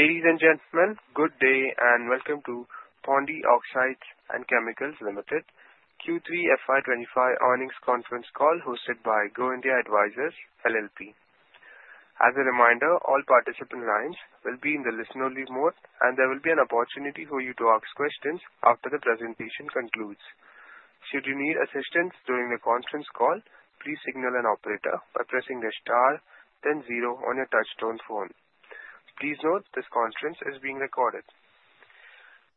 Ladies and gentlemen, good day and welcome to Pondy Oxides and Chemicals Limited Q3 FY 2025 earnings conference call hosted by Go India Advisors LLP. As a reminder, all participant lines will be in the listen-only mode, and there will be an opportunity for you to ask questions after the presentation concludes. Should you need assistance during the conference call, please signal an operator by pressing the star then zero on your touchtone phone. Please note this conference is being recorded.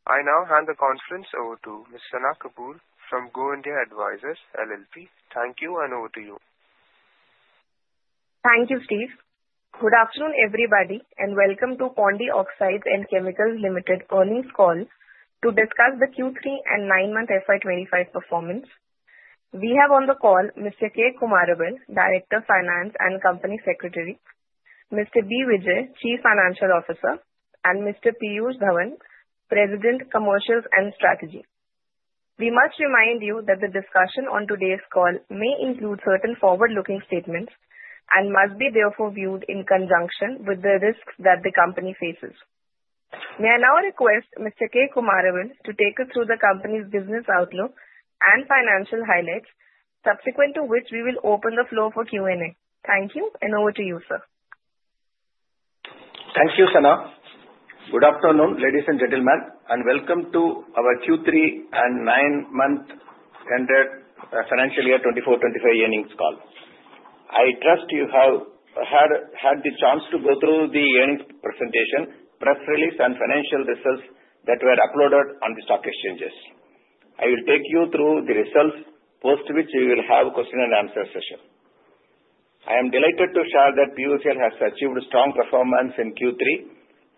I now hand the conference over to Ms. Sana Kapoor from Go India Advisors LLP. Thank you, and over to you. Thank you, Steve. Good afternoon, everybody, and welcome to Pondy Oxides and Chemicals Limited earnings call to discuss the Q3 and nine-month FY 2025 performance. We have on the call Mr. K. Kumaravel, Director of Finance and Company Secretary, Mr. B. Vijay, Chief Financial Officer, and Mr. Piyush Dhawan, President, Commercials and Strategy. We must remind you that the discussion on today's call may include certain forward-looking statements and must be therefore viewed in conjunction with the risks that the company faces. May I now request Mr. K. Kumaravel to take us through the company's business outlook and financial highlights, subsequent to which we will open the floor for Q&A. Thank you, and over to you, sir. Thank you, Sana. Good afternoon, ladies and gentlemen, and welcome to our Q3 and nine-month ended financial year 2024-2025 earnings call. I trust you have had the chance to go through the earnings presentation, press release, and financial results that were uploaded on the stock exchanges. I will take you through the results, post which we will have a question and answer session. I am delighted to share that POCL has achieved strong performance in Q3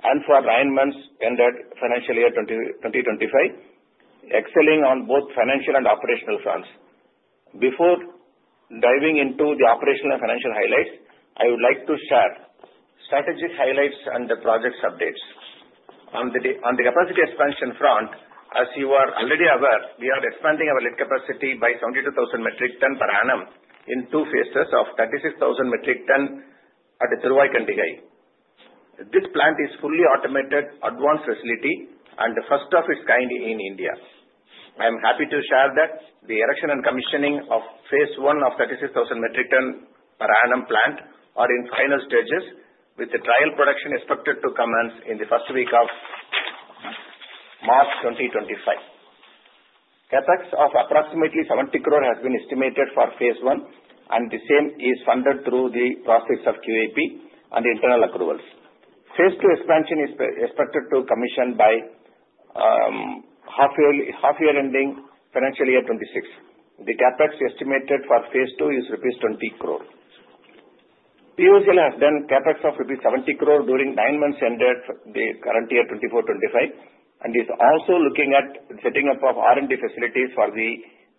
and for nine months ended financial year 2025, excelling on both financial and operational fronts. Before diving into the operational and financial highlights, I would like to share strategic highlights and the project updates. On the capacity expansion front, as you are already aware, we are expanding our lead capacity by 72,000 metric tons per annum in two phases of 36,000 metric tons at Thervoy Kandigai. This plant is fully automated, advanced facility, and the first of its kind in India. I'm happy to share that the erection and commissioning of phase I of the 36,000 metric ton per annum plant are in final stages with the trial production expected to commence in the first week of March 2025. CapEx of approximately 70 crore has been estimated for phase I, and the same is funded through the process of QIP and internal approvals. phase II expansion is expected to commission by half year-ending financial year 2026. The CapEx estimated for phase II is rupees 20 crore. POCL has done CapEx of rupees 70 crore during nine months ended the current year 2024-2025, and is also looking at the setting up of R&D facilities for the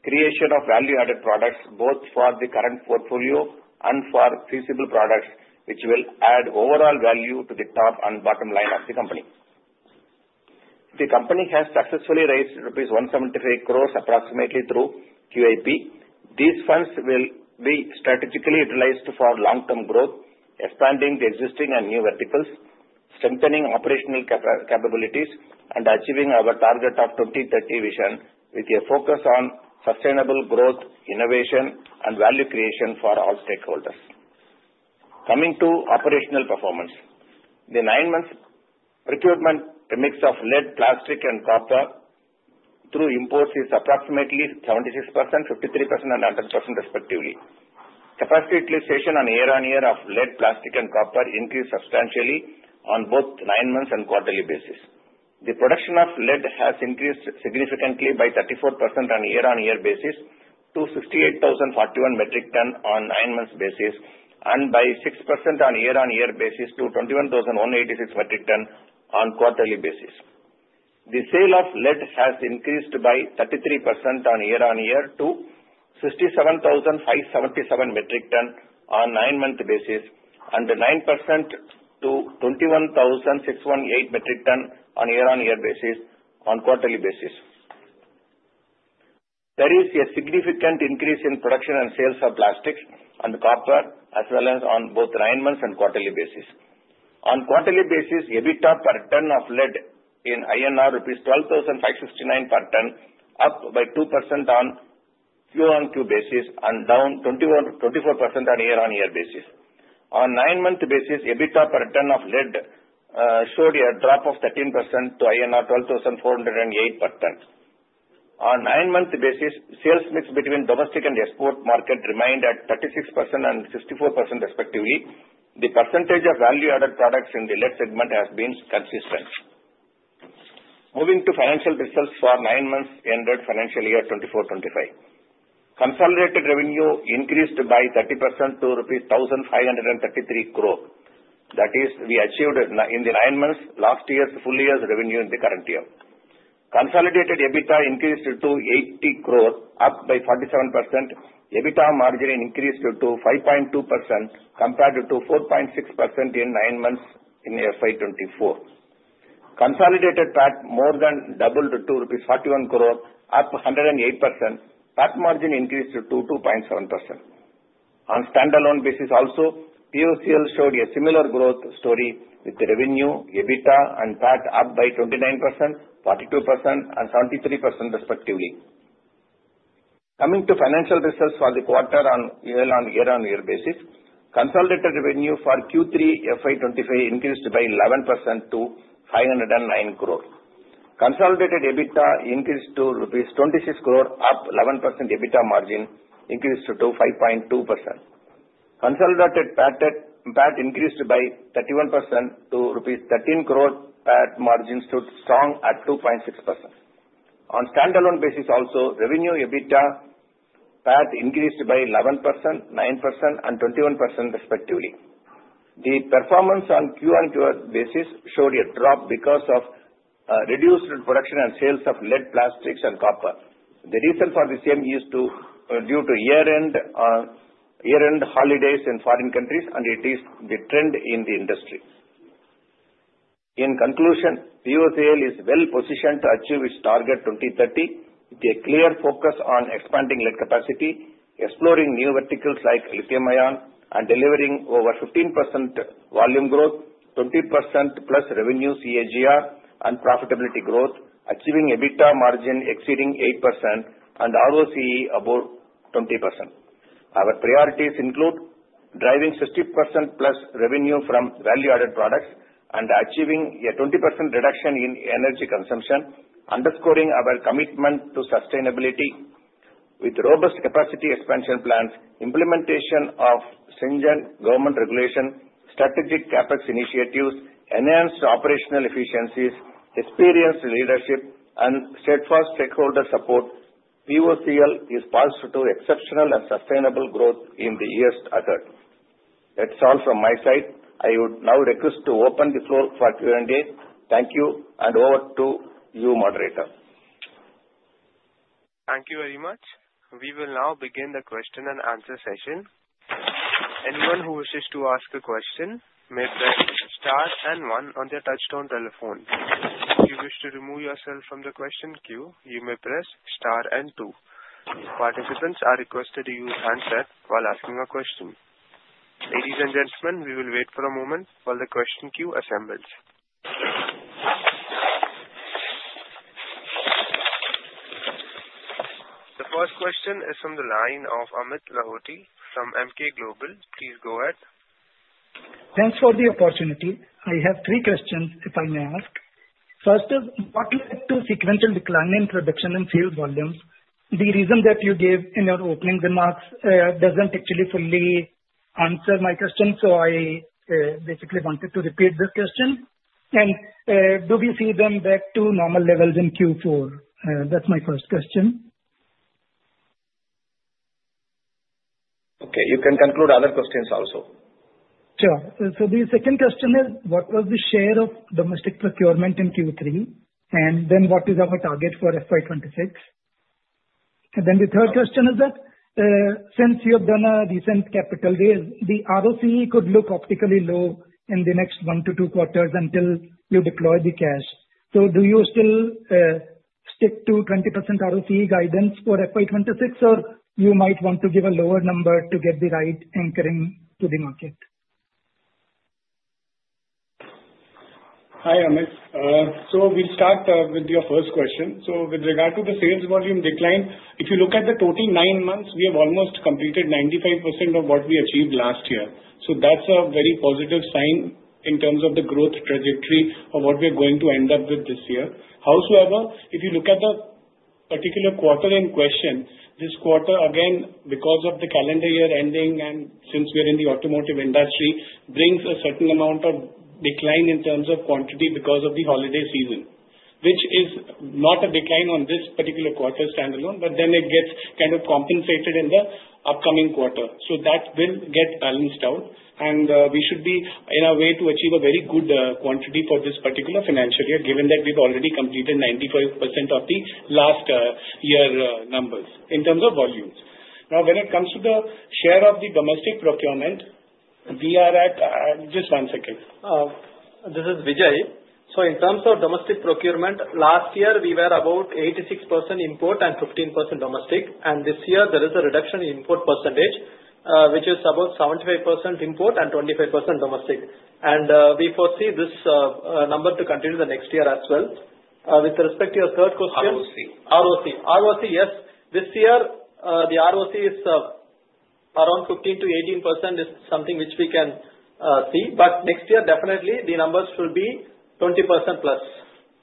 creation of value-added products, both for the current portfolio and for feasible products, which will add overall value to the top and bottom line of the company. The company has successfully raised rupees 175 crore approximately through QIP. These funds will be strategically utilized for long-term growth, expanding the existing and new verticals, strengthening operational capabilities, and achieving our target of 2030 vision with a focus on sustainable growth, innovation, and value creation for all stakeholders. Coming to operational performance. The nine months procurement mix of lead, plastic, and copper through imports is approximately 76%, 53%, and 11% respectively. Capacity utilization on year-on-year of lead, plastic, and copper increased substantially on both nine months and quarterly basis. The production of lead has increased significantly by 34% on a year-on-year basis to 68,041 metric ton on nine months basis, and by six percent on year-on-year basis to 21,186 metric ton on quarterly basis. The sale of lead has increased by 33% on year-on-year to 67,577 metric ton on nine-month basis, and nine percent to 21,618 metric ton on quarterly basis. There is a significant increase in production and sales of plastic and copper as well as on both nine months and quarterly basis. On quarterly basis, EBITDA per ton of lead in rupees 12,569 per ton, up by 2% on QOQ basis and down 24% on year-on-year basis. On nine-month basis, EBITDA per ton of lead showed a drop of 13% to INR 12,408 per ton. On nine-month basis, sales mix between domestic and export market remained at 36% and 64% respectively. The percentage of value-added products in the lead segment has been consistent. Moving to financial results for nine months ended FY 2025. Consolidated revenue increased by 30% to rupees 1,533 crore. That is, we achieved in the nine months last year's full year's revenue in the current year. Consolidated EBITDA increased to 80 crore, up by 47%. EBITDA margin increased to 5.2% compared to 4.6% in nine months in FY 2024. Consolidated PAT more than doubled to 41 crore, up 108%. PAT margin increased to 2.7%. On standalone basis also, POCL showed a similar growth story with revenue, EBITDA and PAT up by 29%, 42% and 73% respectively. Coming to financial results for the quarter on year-on-year basis, consolidated revenue for Q3 FY 2025 increased by 11% to 509 crore. Consolidated EBITDA increased to rupees 26 crore, up 11%. EBITDA margin increased to 5.2%. Consolidated PAT increased by 31% to rupees 13 crore. PAT margin stood strong at 2.6%. On standalone basis also, revenue EBITDA, PAT increased by 11%, 9% and 21% respectively. The performance on Q2 basis showed a drop because of reduced production and sales of lead plastics and copper. The reason for the same is due to year-end holidays in foreign countries, and it is the trend in the industry. In conclusion, POCL is well-positioned to achieve its target 2030 with a clear focus on expanding lead capacity, exploring new verticals like lithium ion, and delivering over 15% volume growth, 20%+ revenue CAGR and profitability growth, achieving EBITDA margin exceeding 8% and ROCE above 20%. Our priorities include driving 60%+ revenue from value-added products and achieving a 20% reduction in energy consumption, underscoring our commitment to sustainability with robust capacity expansion plans, implementation of stringent government regulation, strategic CapEx initiatives, enhanced operational efficiencies, experienced leadership and steadfast stakeholder support. POCL is poised to do exceptional and sustainable growth in the years ahead. That's all from my side. I would now request to open the floor for Q&A. Thank you, and over to you, moderator. Thank you very much. We will now begin the question and answer session. Anyone who wishes to ask a question may press star one on their touchtone telephone. If you wish to remove yourself from the question queue, you may press star two. Participants are requested to use handset while asking a question. Ladies and gentlemen, we will wait for a moment while the question queue assembles. The first question is from the line of Amit Lahoti from Emkay Global. Please go ahead. Thanks for the opportunity. I have three questions, if I may ask. First is, what led to sequential decline in production and sales volumes? The reason that you gave in your opening remarks doesn't actually fully answer my question, I basically wanted to repeat this question. Do we see them back to normal levels in Q4? That's my first question. Okay, you can conclude other questions also. Sure. The second question is, what was the share of domestic procurement in Q3? What is our target for FY 2026? The third question is that, since you have done a decent capital raise, the ROCE could look optically low in the next 1-2 quarters until you deploy the cash. Do you still stick to 20% ROCE guidance for FY 2026, or you might want to give a lower number to get the right anchoring to the market? Hi, Amit. We'll start with your first question. With regard to the sales volume decline, if you look at the total nine months, we have almost completed 95% of what we achieved last year. That's a very positive sign in terms of the growth trajectory of what we're going to end up with this year. However, if you look at the particular quarter in question, this quarter, again, because of the calendar year ending and since we're in the automotive industry, brings a certain amount of decline in terms of quantity because of the holiday season, which is not a decline on this particular quarter standalone, but then it gets kind of compensated in the upcoming quarter. That will get balanced out, and we should be in a way to achieve a very good quantity for this particular financial year, given that we've already completed 95% of the last year numbers in terms of volumes. When it comes to the share of the domestic procurement, we are at Just one second. This is Vijay. In terms of domestic procurement, last year we were about 86% import and 15% domestic. This year there is a reduction in import percentage, which is about 75% import and 25% domestic. We foresee this number to continue the next year as well. With respect to your third question. ROCE. ROCE. ROCE, yes. This year, the ROCE is around 15%-18%, is something which we can see. Next year, definitely the numbers will be 20%+.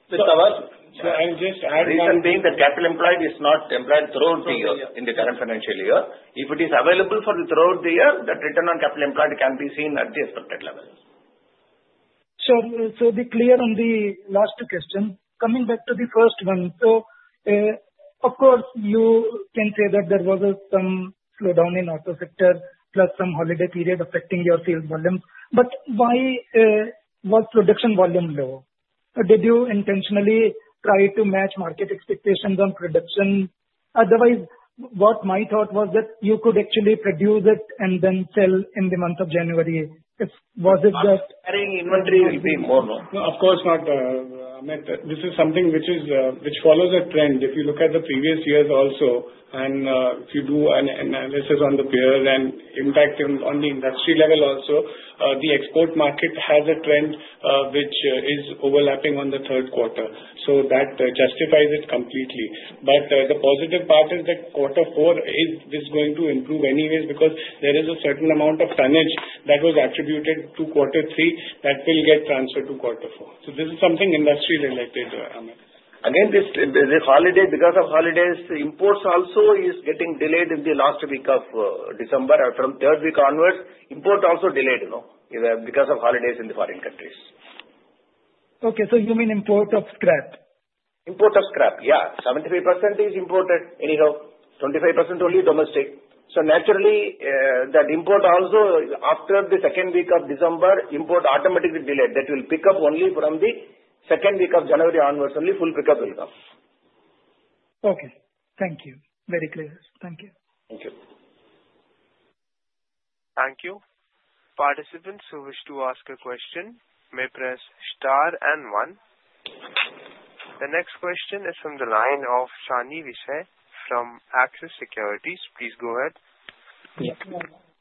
The reason being that capital employed is not employed throughout the year, in the current financial year. If it is available for throughout the year, that return on capital employed can be seen at the expected levels. Sure. Be clear on the last question. Coming back to the first one. Of course, you can say that there was some slowdown in auto sector plus some holiday period affecting your sales volume. Why was production volume low? Did you intentionally try to match market expectations on production? What my thought was that you could actually produce it and then sell in the month of January. Was it just- Carrying inventory will be more. No, of course not, Amit. This is something which follows a trend. If you look at the previous years also, and if you do an analysis on the peers and impact on the industry level also, the export market has a trend which is overlapping on the third quarter. That justifies it completely. The positive part is that quarter four is going to improve anyways because there is a certain amount of tonnage that was attributed to quarter three that will get transferred to quarter four. This is something industry related, Amit. Again, because of holidays, imports also is getting delayed in the last week of December. From third week onwards, import also delayed because of holidays in the foreign countries. Okay, you mean import of scrap? Import of scrap, yeah. 73% is imported anyhow. 25% only domestic. Naturally, that import also after the second week of December, import automatically delayed. That will pick up only from the second week of January onwards, only full pickup will come. Okay. Thank you. Very clear. Thank you. Thank you. Thank you. Participants who wish to ask a question may press star one. The next question is from the line of Sani Vishe from Axis Securities. Please go ahead. Yeah.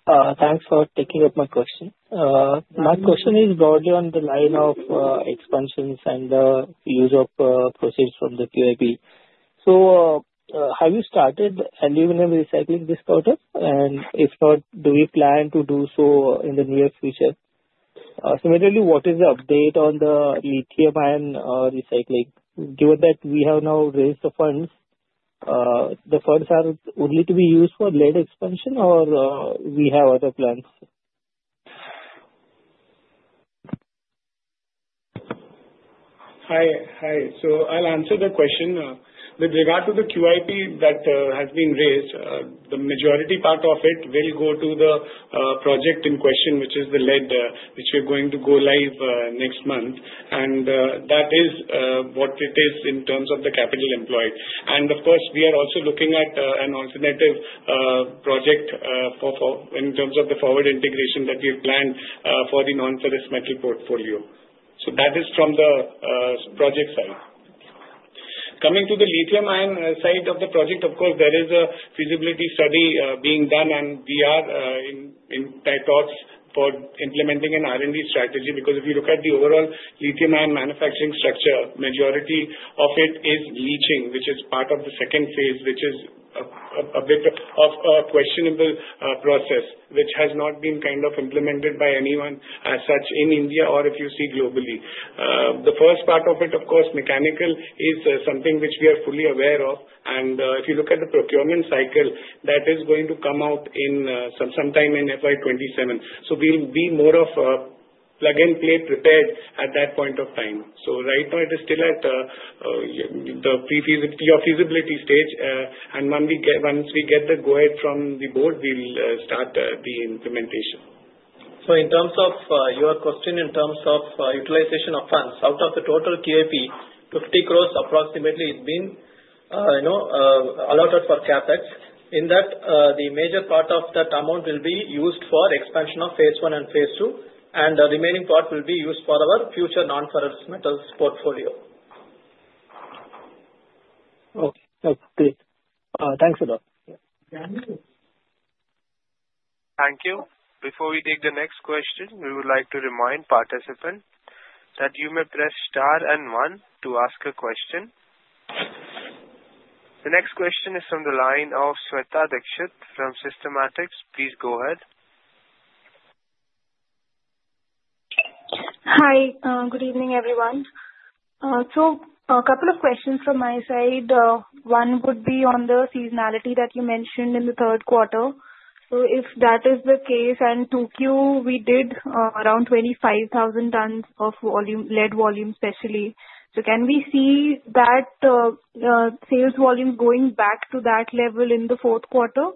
Thanks for taking up my question. My question is broadly on the line of expansions and the use of proceeds from the QIP. Have you started aluminum recycling this quarter? If not, do you plan to do so in the near future? Similarly, what is the update on the lithium-ion recycling? Given that we have now raised the funds, the funds are only to be used for lead expansion or we have other plans? Hi. I'll answer the question. With regard to the QIP that has been raised, the majority part of it will go to the project in question, which is the lead, which we're going to go live next month. That is what it is in terms of the capital employed. Of course, we are also looking at an alternative project in terms of the forward integration that we've planned for the non-ferrous metal portfolio. That is from the project side. Coming to the lithium-ion side of the project, of course, there is a feasibility study being done, and we are in tie talks for implementing an R&D strategy. If you look at the overall lithium-ion manufacturing structure, majority of it is leaching, which is part of the second phase, which is a bit of a questionable process, which has not been kind of implemented by anyone as such in India or if you see globally. The first part of it, of course, mechanical, is something which we are fully aware of. If you look at the procurement cycle, that is going to come out sometime in FY 2027. We'll be more of a plug-and-play prepared at that point of time. Right now it is still at the pre-feasibility or feasibility stage. Once we get the go-ahead from the board, we'll start the implementation. In terms of your question in terms of utilization of funds, out of the total QIP, 50 crore approximately is being allotted for CapEx. In that, the major part of that amount will be used for expansion of phase I and phase II, and the remaining part will be used for our future non-ferrous metals portfolio. Okay. Thanks a lot. Yeah. Thank you. Before we take the next question, we would like to remind participants that you may press star and one to ask a question. The next question is from the line of Shweta Dikshit from Systematix. Please go ahead. Hi. Good evening, everyone. A couple of questions from my side. One would be on the seasonality that you mentioned in the third quarter. If that is the case, and 2Q, we did around 25,000 tonnes of lead volume, especially. Can we see that sales volume going back to that level in the fourth quarter?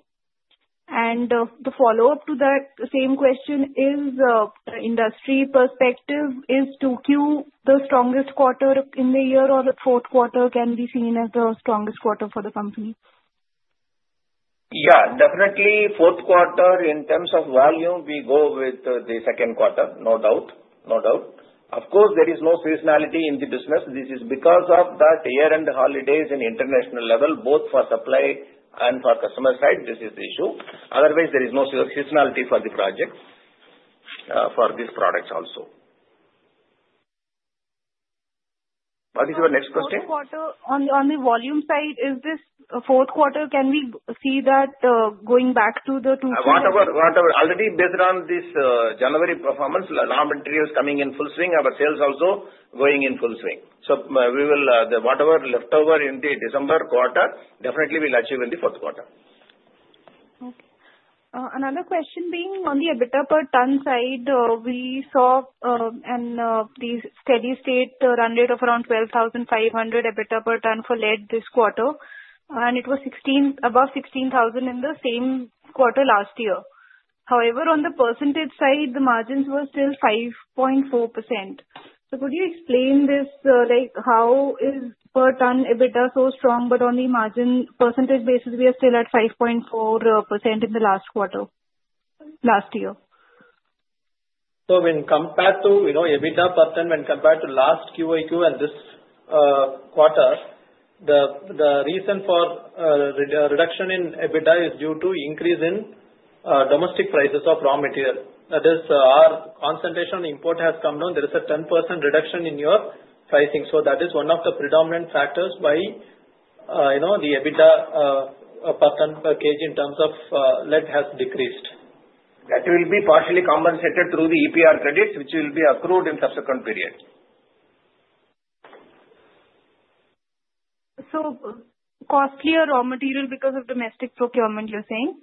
The follow-up to that same question is industry perspective. Is 2Q the strongest quarter in the year or the fourth quarter can be seen as the strongest quarter for the company? Yeah, definitely fourth quarter in terms of volume, we go with the second quarter, no doubt. Of course, there is no seasonality in the business. This is because of that year-end holidays in international level, both for supply and for customer side, this is the issue. Otherwise, there is no seasonality for the project, for these products also. What is your next question? On the volume side, fourth quarter, can we see that going back to the 2Q? Already based on this January performance, raw materials coming in full swing, our sales also going in full swing. Whatever leftover in the December quarter, definitely we'll achieve in the fourth quarter. Okay. Another question being on the EBITDA per tonne side, we saw the steady state run rate of around 12,500 EBITDA per tonne for lead this quarter. It was above 16,000 in the same quarter last year. However, on the percentage side, the margins were still 5.4%. Could you explain this, how is per tonne EBITDA so strong, but on the margin percentage basis, we are still at 5.4% in the last quarter, last year? When compared to EBITDA per ton when compared to last Q-o-Q and this quarter, the reason for reduction in EBITDA is due to increase in domestic prices of raw material. That is, our concentration import has come down. There is a 10% reduction in your pricing. That is one of the predominant factors why the EBITDA per ton, per kg in terms of lead has decreased. That will be partially compensated through the EPR credits, which will be accrued in subsequent periods. costlier raw material because of domestic procurement, you're saying?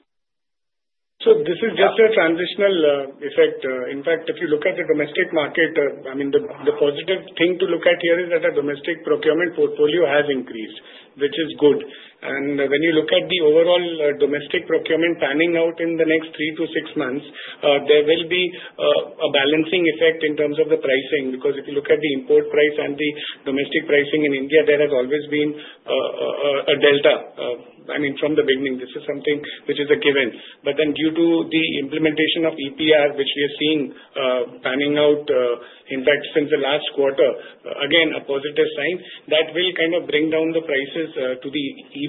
This is just a transitional effect. In fact, if you look at the domestic market, the positive thing to look at here is that our domestic procurement portfolio has increased, which is good. When you look at the overall domestic procurement panning out in the next three to six months, there will be a balancing effect in terms of the pricing. If you look at the import price and the domestic pricing in India, there has always been a delta. From the beginning, this is something which is a given. Due to the implementation of EPR, which we are seeing panning out, in fact, since the last quarter, again, a positive sign, that will kind of bring down the prices to the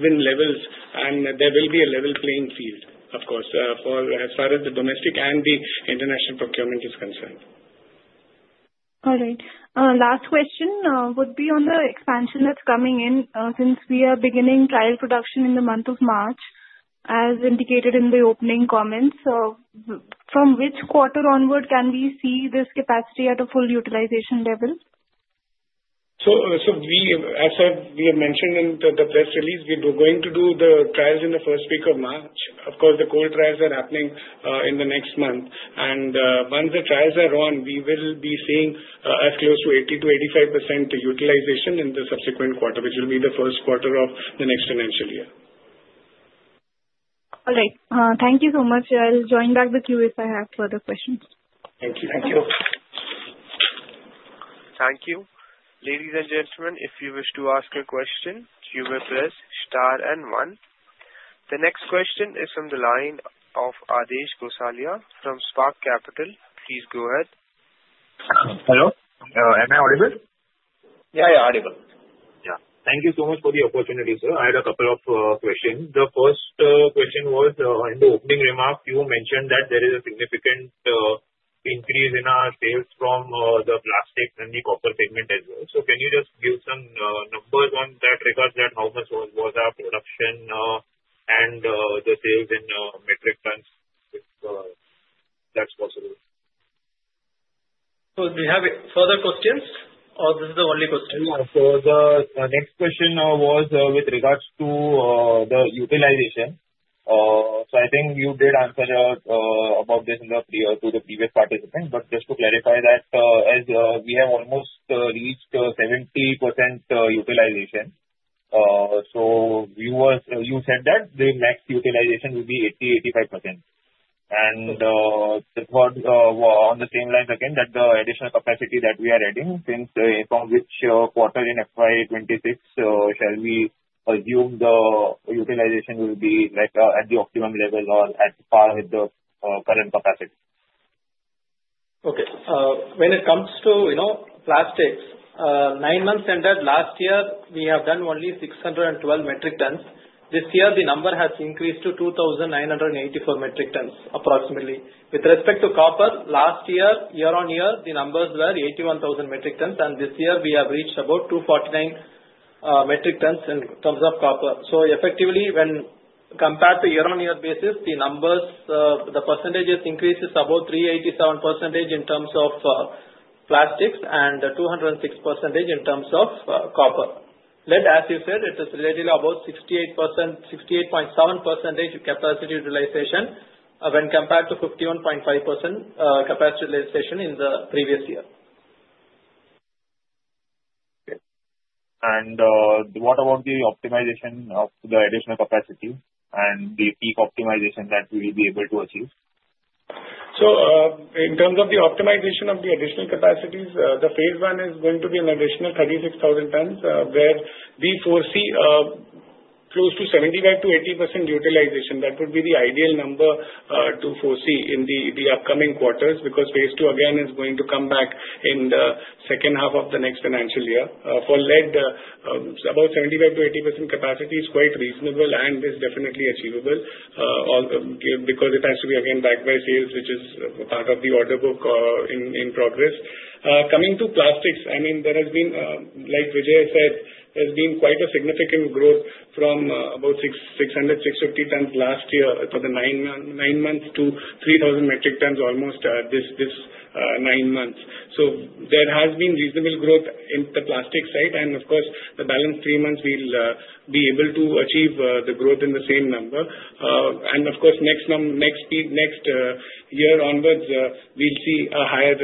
even levels and there will be a level playing field, of course, for as far as the domestic and the international procurement is concerned. All right. Last question would be on the expansion that's coming in. Since we are beginning trial production in the month of March, as indicated in the opening comments. From which quarter onward can we see this capacity at a full utilization level? As I've mentioned in the press release, we were going to do the trials in the first week of March. Of course, the cold trials are happening in the next month. Once the trials are on, we will be seeing as close to 80%-85% utilization in the subsequent quarter, which will be the first quarter of the next financial year. All right. Thank you so much. I'll join back the queue if I have further questions. Thank you. Thank you. Thank you. Ladies and gentlemen, if you wish to ask a question, you may press star and one. The next question is from the line of Aadesh Gosalia from Spark Capital. Please go ahead. Hello, am I audible? Yeah, audible. Thank you so much for the opportunity, sir. I had a couple of questions. The first question was, in the opening remarks, you mentioned that there is a significant increase in our sales from the plastics and the copper segment as well. Can you just give some numbers on that regards that how much was our production and the sales in metric tons, if that's possible? Do you have further questions or this is the only question? The next question was with regards to the utilization. I think you did answer about this to the previous participant, but just to clarify that, as we have almost reached 70% utilization. You said that the max utilization will be 80%, 85%. On the same lines again, that the additional capacity that we are adding since from which quarter in FY 2026 shall we assume the utilization will be at the optimum level or at par with the current capacity? Okay. When it comes to plastics, nine months ended last year, we have done only 612 metric tons. This year, the number has increased to 2,984 metric tons approximately. With respect to copper, last year-over-year, the numbers were 81,000 metric tons, and this year we have reached about 249 metric tons in terms of copper. Effectively, when compared to year-over-year basis, the percentages increase is about 387% in terms of plastics and 206% in terms of copper. Lead, as you said, it is related about 68.7% capacity utilization when compared to 51.5% capacity utilization in the previous year. Okay. What about the optimization of the additional capacity and the peak optimization that we will be able to achieve? In terms of the optimization of the additional capacities, the phase one is going to be an additional 36,000 tons, where we foresee close to 75%-80% utilization. That would be the ideal number to foresee in the upcoming quarters, because phase two again is going to come back in the second half of the next financial year. For lead, about 75%-80% capacity is quite reasonable and is definitely achievable because it has to be again backed by sales, which is part of the order book in progress. To plastics, there has been, like Vijay said, there's been quite a significant growth from about 600, 650 tons last year for the nine months to 3,000 metric tons almost this nine months. There has been reasonable growth in the plastic side. Of course, the balance three months we'll be able to achieve the growth in the same number. Of course, next year onwards, we'll see a higher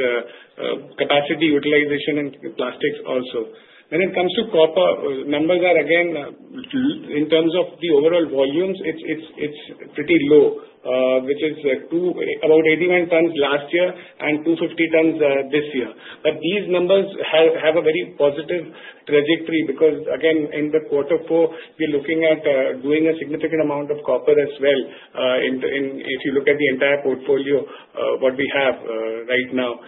capacity utilization in plastics also. When it comes to copper, numbers are again, in terms of the overall volumes, it's pretty low, which is about 89 tons last year and 250 tons this year. These numbers have a very positive trajectory because again, in the quarter four, we're looking at doing a significant amount of copper as well if you look at the entire portfolio, what we have right now.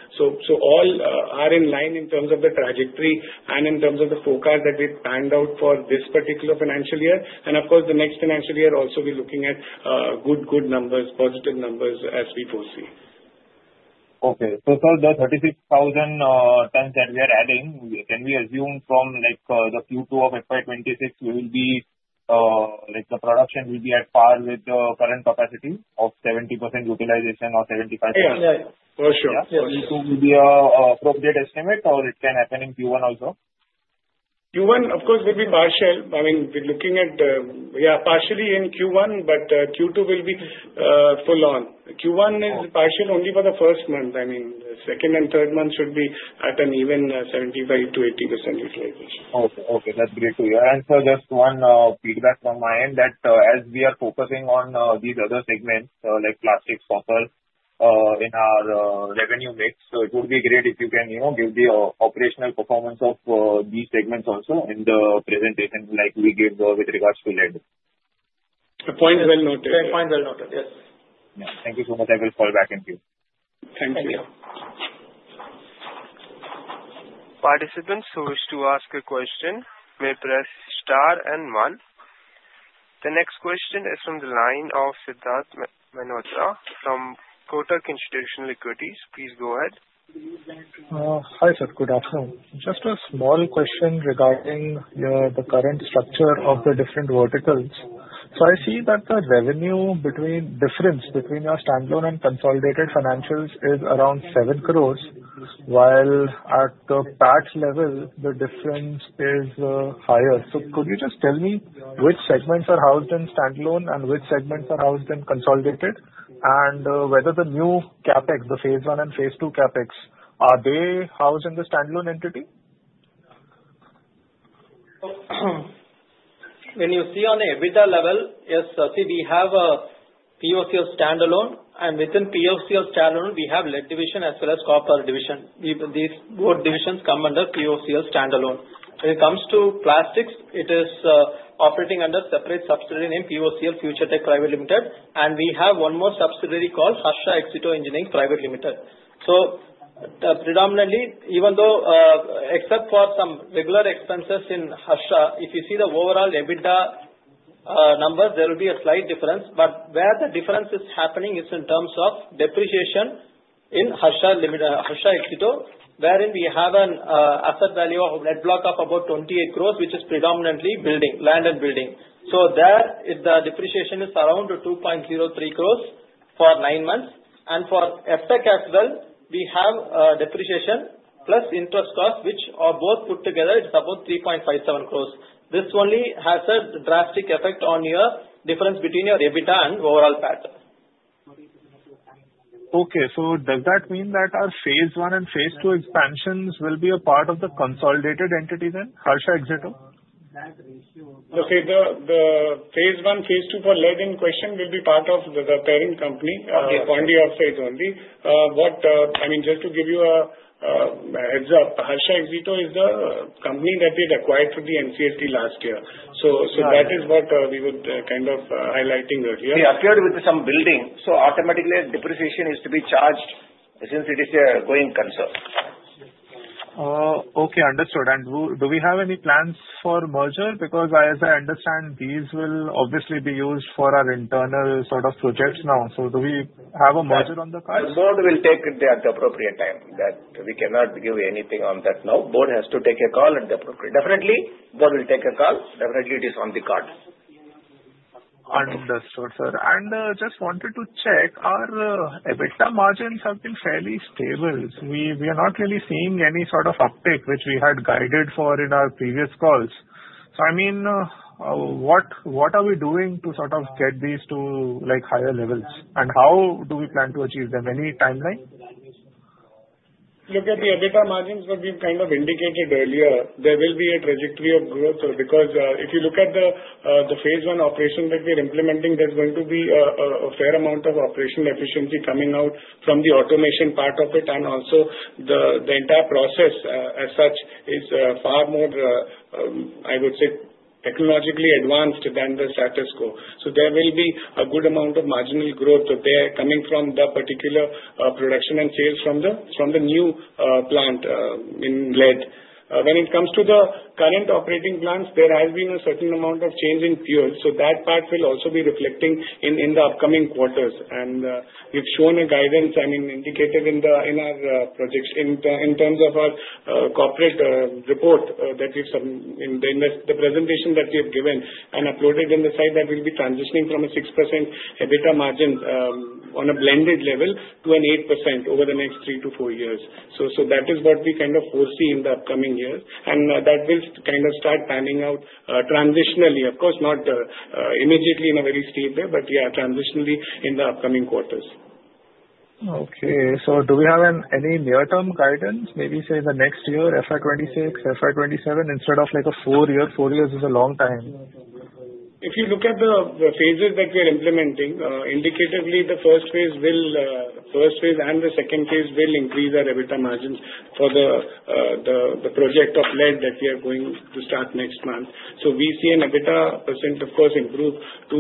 All are in line in terms of the trajectory and in terms of the forecast that we planned out for this particular financial year. Of course, the next financial year also, we're looking at good numbers, positive numbers as we foresee. Okay. Sir, the 36,000 tons that we are adding, can we assume from the Q2 of FY 2026 the production will be at par with the current capacity of 70% utilization or 75%? Yeah. For sure. Q2 will be appropriate estimate or it can happen in Q1 also? Q1, of course, will be partial. We're looking at partially in Q1. Q2 will be full on. Q1 is partial only for the first month. Second and third month should be at an even 75%-80% utilization. Okay. That's great to hear. Sir, just one feedback from my end that as we are focusing on these other segments, like plastics, copper in our revenue mix, it would be great if you can give the operational performance of these segments also in the presentation like we gave with regards to lead. The point is well noted. Point well noted. Yes. Thank you so much. I will fall back in queue. Thank you. Thank you. Participants who wish to ask a question may press star and one. The next question is from the line of Siddharth Malhotra from Kotak Institutional Equities. Please go ahead. Hi, sir. Good afternoon. Just a small question regarding the current structure of the different verticals. I see that the revenue difference between your standalone and consolidated financials is around 7 crores, while at the PAT level, the difference is higher. Could you just tell me which segments are housed in standalone and which segments are housed in consolidated? Whether the new CapEx, the phase I and phase II CapEx, are they housed in the standalone entity? You see on EBITDA level, yes, sir. We have a POCL standalone, within POCL standalone, we have lead division as well as copper division. These both divisions come under POCL standalone. It comes to plastics, it is operating under separate subsidiary named POCL Future Tech Private Limited, we have one more subsidiary called Harsha Exito Engineering Private Limited. Predominantly, except for some regular expenses in Harsha, if you see the overall EBITDA numbers, there will be a slight difference, where the difference is happening is in terms of depreciation in Harsha Exito, wherein we have an asset value of net block of about 28 crores, which is predominantly land and building. There, the depreciation is around 2.03 crores for nine months. For FTech as well, we have depreciation plus interest cost, which are both put together, it's about 3.57 crores. This only has a drastic effect on your difference between your EBITDA and overall PAT. Okay. Does that mean that our phase one and phase two expansions will be a part of the consolidated entity then, Harsha Exito? The phase I, phase II for lead in question will be part of the parent company. Okay Pondy Oxides only. Just to give you a heads up, Harsha Exito is a company that we'd acquired through the NCLT last year. That is what we would kind of highlighting earlier. They acquired with some building, so automatically depreciation is to be charged since it is a going concern. Okay, understood. Do we have any plans for merger? Because as I understand, these will obviously be used for our internal sort of projects now. Do we have a merger on the cards? The Board will take it at the appropriate time. That we cannot give anything on that now. Board has to take a call. Definitely, Board will take a call. Definitely, it is on the card. Understood, sir. Just wanted to check, our EBITDA margins have been fairly stable. We are not really seeing any sort of uptick which we had guided for in our previous calls. I mean, what are we doing to sort of get these to higher levels? How do we plan to achieve them? Any timeline? Look at the EBITDA margins what we've kind of indicated earlier. There will be a trajectory of growth, sir, because if you look at the phase one operation that we're implementing, there's going to be a fair amount of operational efficiency coming out from the automation part of it and also the entire process as such is far more, I would say, technologically advanced than the status quo. There will be a good amount of marginal growth there coming from the particular production and sales from the new plant in lead. When it comes to the current operating plants, there has been a certain amount of change in fuel. That part will also be reflecting in the upcoming quarters. We've shown a guidance and an indicator in our projection in terms of our corporate report, in the presentation that we have given and uploaded in the site that we'll be transitioning from a 6% EBITDA margin on a blended level to an 8% over the next 3-4 years. That is what we foresee in the upcoming years, and that will start panning out transitionally. Of course, not immediately in a very steep way, but yeah, transitionally in the upcoming quarters. Okay. Do we have any near-term guidance, maybe say the next year, FY 2026, FY 2027, instead of like four years? Four years is a long time. If you look at the phases that we are implementing, indicatively, the phase I and the phase II will increase our EBITDA margins for the project of lead that we are going to start next month. We see an EBITDA%, of course, improve to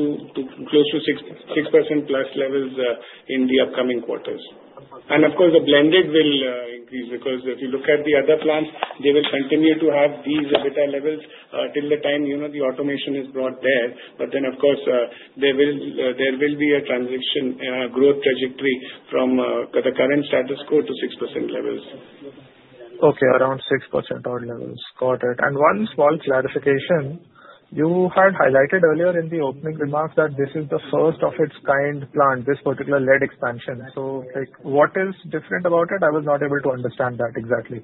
close to 6%+ levels in the upcoming quarters. Of course, the blended will increase because if you look at the other plants, they will continue to have these EBITDA levels till the time the automation is brought there. Of course, there will be a transition growth trajectory from the current status quo to 6% levels. Okay. Around 6% odd levels. Got it. One small clarification. You had highlighted earlier in the opening remarks that this is the first of its kind plant, this particular lead expansion. What is different about it? I was not able to understand that exactly.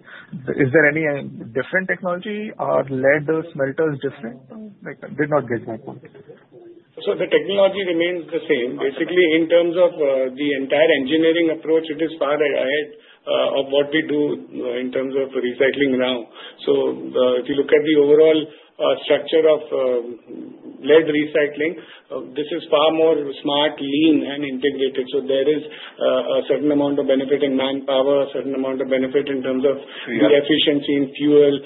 Is there any different technology or lead smelter is different? I did not get that point. The technology remains the same. Basically, in terms of the entire engineering approach, it is far ahead of what we do in terms of recycling now. If you look at the overall structure of lead recycling, this is far more smart, lean, and integrated. There is a certain amount of benefit in manpower, a certain amount of benefit. Yeah efficiency in fuel.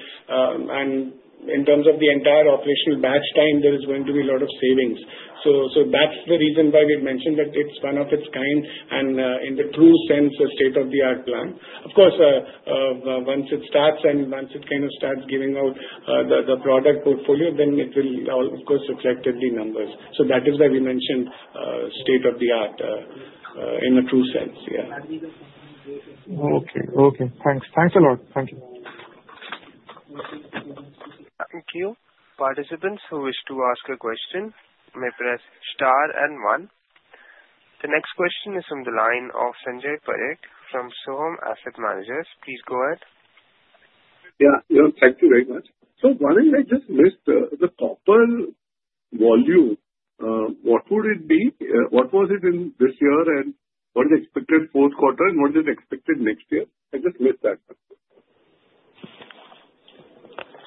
In terms of the entire operational batch time, there is going to be a lot of savings. That's the reason why we've mentioned that it's one of its kind, and in the true sense, a state-of-the-art plant. Of course, once it starts and once it starts giving out the product portfolio, then it will, of course, reflect in the numbers. That is why we mentioned state of the art in the true sense. Yeah. Okay. Thanks a lot. Thank you. Thank you. Participants who wish to ask a question may press star and one. The next question is from the line of Sanjay Parekh from Sohum Asset Managers. Please go ahead. Yeah. Thank you very much. Dhawan, I just missed the copper volume. What would it be? What was it in this year, and what is expected fourth quarter, and what is expected next year? I just missed that.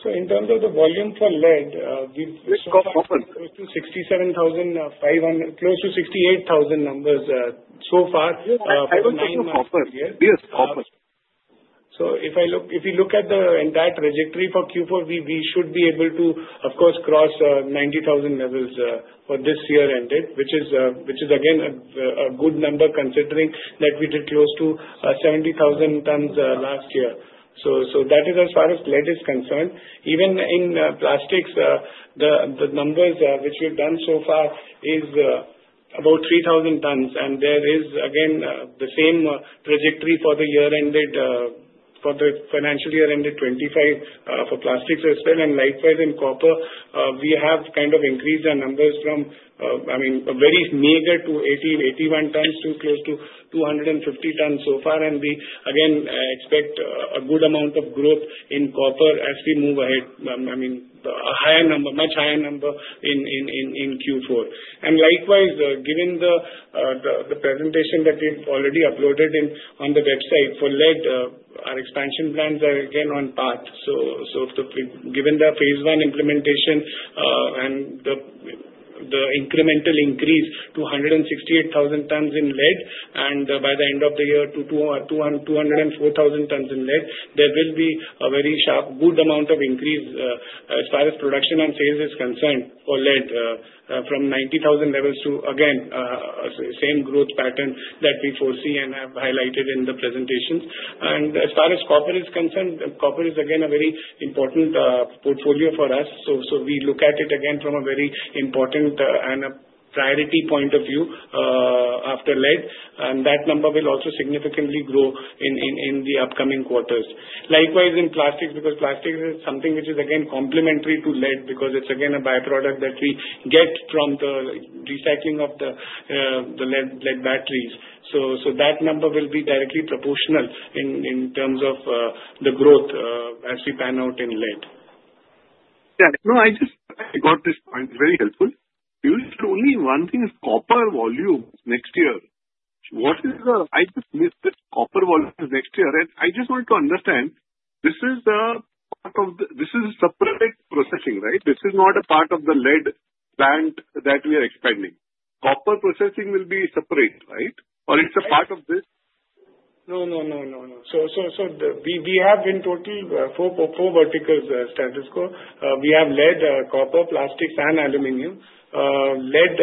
In terms of the volume for lead. Which? Copper. Close to 67,500, close to 68,000 numbers so far. I was asking for copper. Yes, copper. If you look at the entire trajectory for Q4, we should be able to, of course, cross 90,000 levels for this year ended, which is again, a good number considering that we did close to 70,000 tons last year. That is as far as lead is concerned. Even in plastics, the numbers which we've done so far is about 3,000 tons. There is again, the same trajectory for the financial year ended 2025 for plastics as well, and likewise in copper. We have increased our numbers from a very meager to 80-81 tons to close to 250 tons so far. We again, expect a good amount of growth in copper as we move ahead. I mean, a much higher number in Q4. Likewise, given the presentation that we've already uploaded on the website for lead, our expansion plans are again on path. Given the phase I implementation and the incremental increase to 168,000 tons in lead, and by the end of the year to 204,000 tons in lead, there will be a very sharp good amount of increase as far as production and sales is concerned for lead from 90,000 levels to, again, same growth pattern that we foresee and have highlighted in the presentations. As far as copper is concerned, copper is again a very important portfolio for us. We look at it again from a very important and a priority point of view after lead. That number will also significantly grow in the upcoming quarters. Likewise, in plastics, because plastics is something which is again complementary to lead because it's again a by-product that we get from the recycling of the lead batteries. That number will be directly proportional in terms of the growth as we pan out in lead. Yeah. No, I just got this point. Very helpful. Only one thing is copper volume next year. I just missed this copper volume next year. I just want to understand, this is a separate processing, right? This is not a part of the lead plant that we are expanding. Copper processing will be separate, right? Or it's a part of this? No. We have in total four verticals at Status quo. We have lead, copper, plastics, and aluminum. Lead,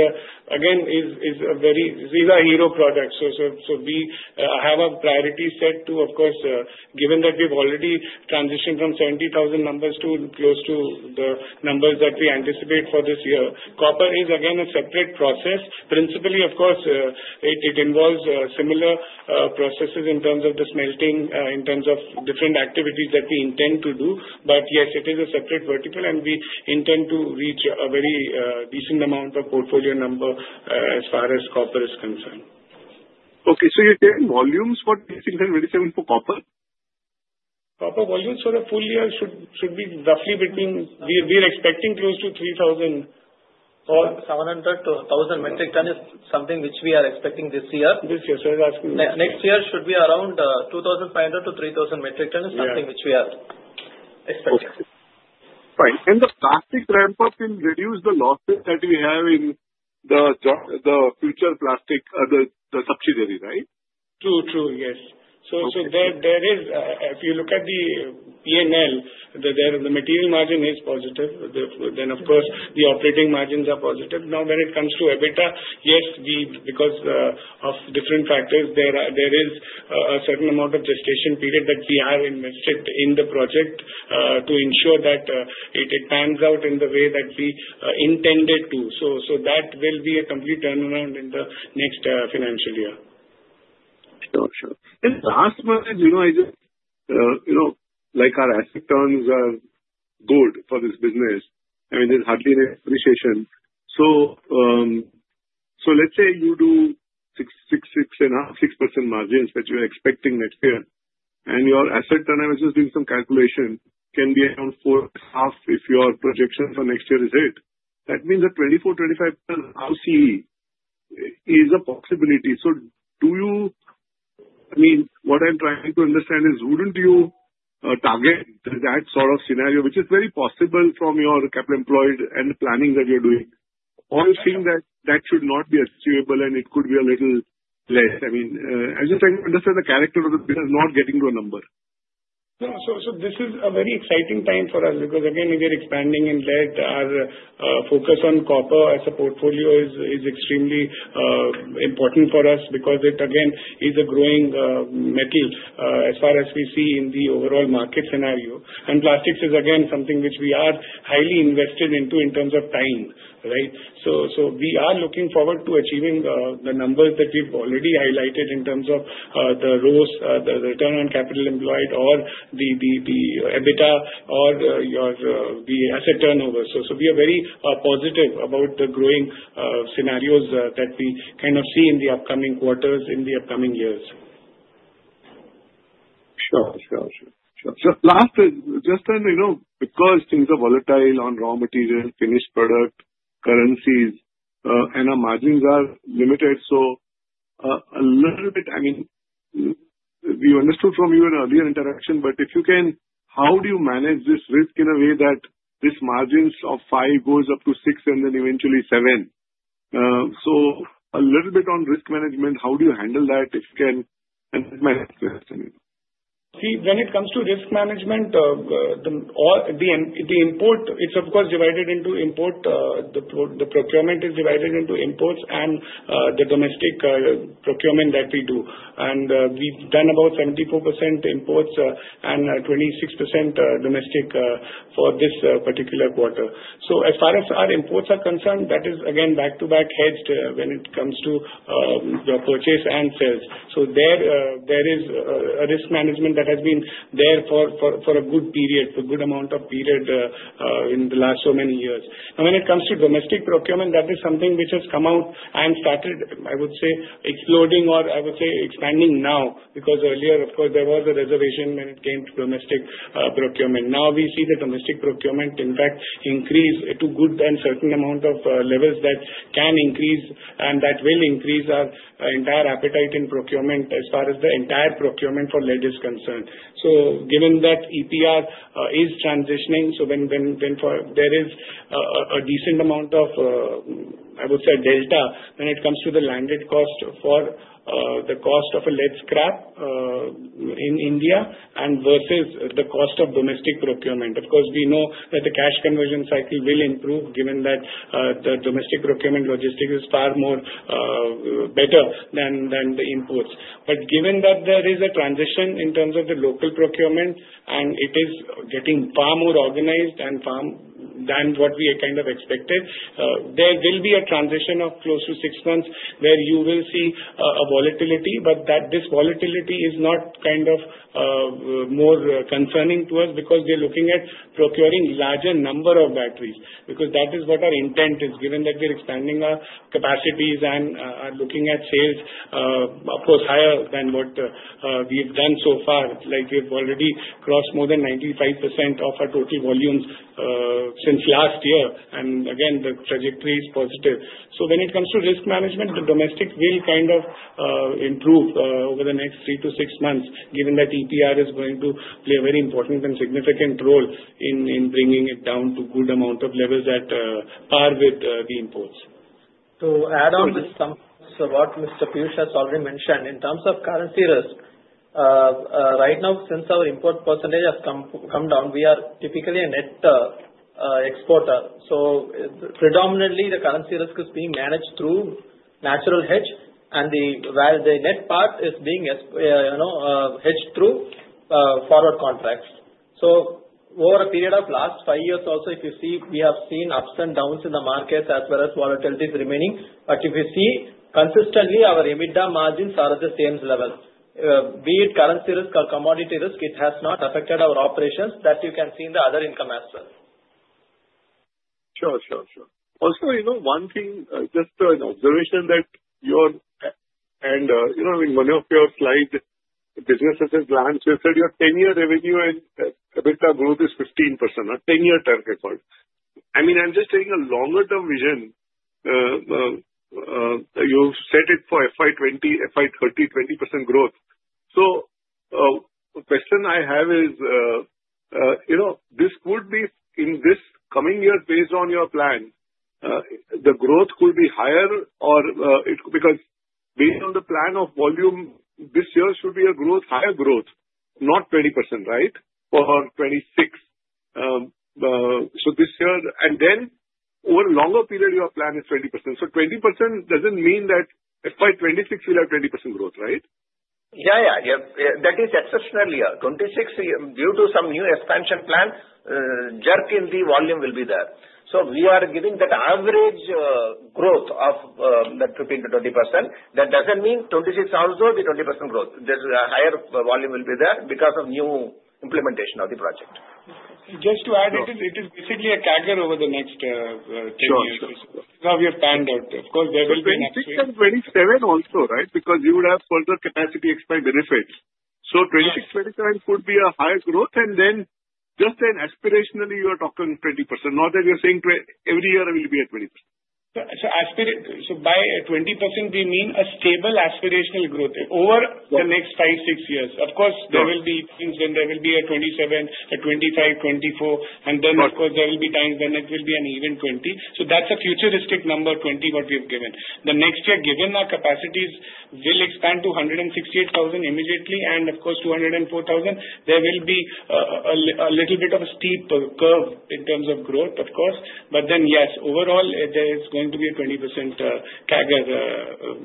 again, is a very zero hero product. We have a priority set too, of course, given that we've already transitioned from 70,000 numbers to close to the numbers that we anticipate for this year. Copper is again, a separate process. Principally, of course, it involves similar processes in terms of the smelting, in terms of different activities that we intend to do. Yes, it is a separate vertical, and we intend to reach a very decent amount of portfolio number as far as copper is concerned. Okay. You're saying volumes for 2027 for copper? Copper volumes for the full year should be roughly. We are expecting close to 3,000. 700-1,000 metric ton is something which we are expecting this year. This year. I was asking- Next year should be around 2,500-3,000 metric ton is something which we are expecting. Okay. Fine. The plastic ramp-up will reduce the losses that we have in the future plastic, the subsidiary, right? True. Yes. There is, if you look at the P&L, the material margin is positive. Of course, the operating margins are positive. When it comes to EBITDA, yes, because of different factors, there is a certain amount of gestation period that we have invested in the project, to ensure that it pans out in the way that we intended to. That will be a complete turnaround in the next financial year. Sure. Last one is, I just, like our asset turns are good for this business. I mean, there's hardly any appreciation. Let's say you do 6.5%, 6% margins that you're expecting next year, and your asset turnover, I was just doing some calculation, can be around 4.5 if your projection for next year is it. That means a 24, 25% ROCE is a possibility. I mean, what I'm trying to understand is wouldn't you target that sort of scenario, which is very possible from your capital employed and the planning that you're doing? Assume that should not be achievable and it could be a little less. I mean, I'm just trying to understand the character of the business, not getting to a number. No. This is a very exciting time for us because, again, we're expanding in lead. Our focus on copper as a portfolio is extremely important for us because it, again, is a growing metal, as far as we see in the overall market scenario. Plastics is, again, something which we are highly invested into in terms of time, right? We are looking forward to achieving the numbers that we've already highlighted in terms of the ROCE, the return on capital employed, or the EBITDA or the asset turnover. We are very positive about the growing scenarios that we kind of see in the upcoming quarters in the upcoming years. Sure. Last is, just then, because things are volatile on raw material, finished product, currencies, and our margins are limited, a little bit, I mean, we understood from your earlier interaction, but if you can, how do you manage this risk in a way that this margins of five goes up to six and then eventually seven? A little bit on risk management, how do you handle that, if you can, and manage this, I mean. When it comes to risk management, the procurement is divided into imports and the domestic procurement that we do. We've done about 74% imports and 26% domestic for this particular quarter. As far as our imports are concerned, that is again back-to-back hedged when it comes to the purchase and sales. There is a risk management that has been there for a good amount of period in the last so many years. Now, when it comes to domestic procurement, that is something which has come out and started, I would say, exploding, or I would say expanding now, because earlier, of course, there was a reservation when it came to domestic procurement. We see the domestic procurement, in fact, increase to good and certain amount of levels that can increase, and that will increase our entire appetite in procurement as far as the entire procurement for lead is concerned. Given that EPR is transitioning, so when there is a decent amount of, I would say, delta when it comes to the landed cost for the cost of a lead scrap in India and versus the cost of domestic procurement. Of course, we know that the cash conversion cycle will improve given that the domestic procurement logistics is far more better than the imports. Given that there is a transition in terms of the local procurement and it is getting far more organized than what we had kind of expected, there will be a transition of close to six months where you will see a volatility. This volatility is not kind of more concerning to us because we are looking at procuring larger number of batteries because that is what our intent is, given that we are expanding our capacities and are looking at sales, of course, higher than what we've done so far. Like we've already crossed more than 95% of our total volumes since last year, and again, the trajectory is positive. When it comes to risk management, the domestic will kind of improve over the next 3-6 months given that EPR is going to play a very important and significant role in bringing it down to good amount of levels at par with the imports. To add on just some, what Mr. Piyush has already mentioned in terms of currency risk. Right now, since our import percentage has come down, we are typically a net exporter. Predominantly, the currency risk is being managed through natural hedge and the net part is being hedged through forward contracts. Over a period of last five years also if you see, we have seen ups and downs in the markets as well as volatility remaining. If you see, consistently our EBITDA margins are at the same level. Be it currency risk or commodity risk, it has not affected our operations. That you can see in the other income as well. Sure. Also, one thing, just an observation that in one of your slides, business at a glance, you said your 10-year revenue and EBITDA growth is 15%, a 10-year target. I'm just taking a longer-term vision. You set it for FY 2020, FY 2030, 20% growth. The question I have is, in this coming year based on your plan, the growth could be higher? Based on the plan of volume, this year should be a higher growth, not 20%, right? For 2026. Over a longer period, your plan is 20%. 20% doesn't mean that FY 2026 will have 20% growth, right? Yeah. That is exceptionally year. 2026, due to some new expansion plans, jerk in the volume will be there. We are giving that average growth of that 15%-20%. That doesn't mean 2026 also the 20% growth. There's a higher volume will be there because of new implementation of the project. Just to add, it is basically a CAGR over the next 10 years. Sure. Now we are panned out. 2026 and 2027 also, right? Because you would have further capacity expand benefits. 2026, 2027 could be a higher growth and then just an aspirationally you are talking 20%. Not that you're saying every year it will be at 20%. By 20%, we mean a stable aspirational growth over the next five, six years. Of course, there will be times when there will be a 2027, a 2025, 2024, and of course, there will be times when it will be an even 20. That's a futuristic number, 20, what we've given. The next year, given our capacities will expand to 168,000 immediately and of course, 204,000, there will be a little bit of a steep curve in terms of growth, of course. Yes, overall, there is going to be a 20% CAGR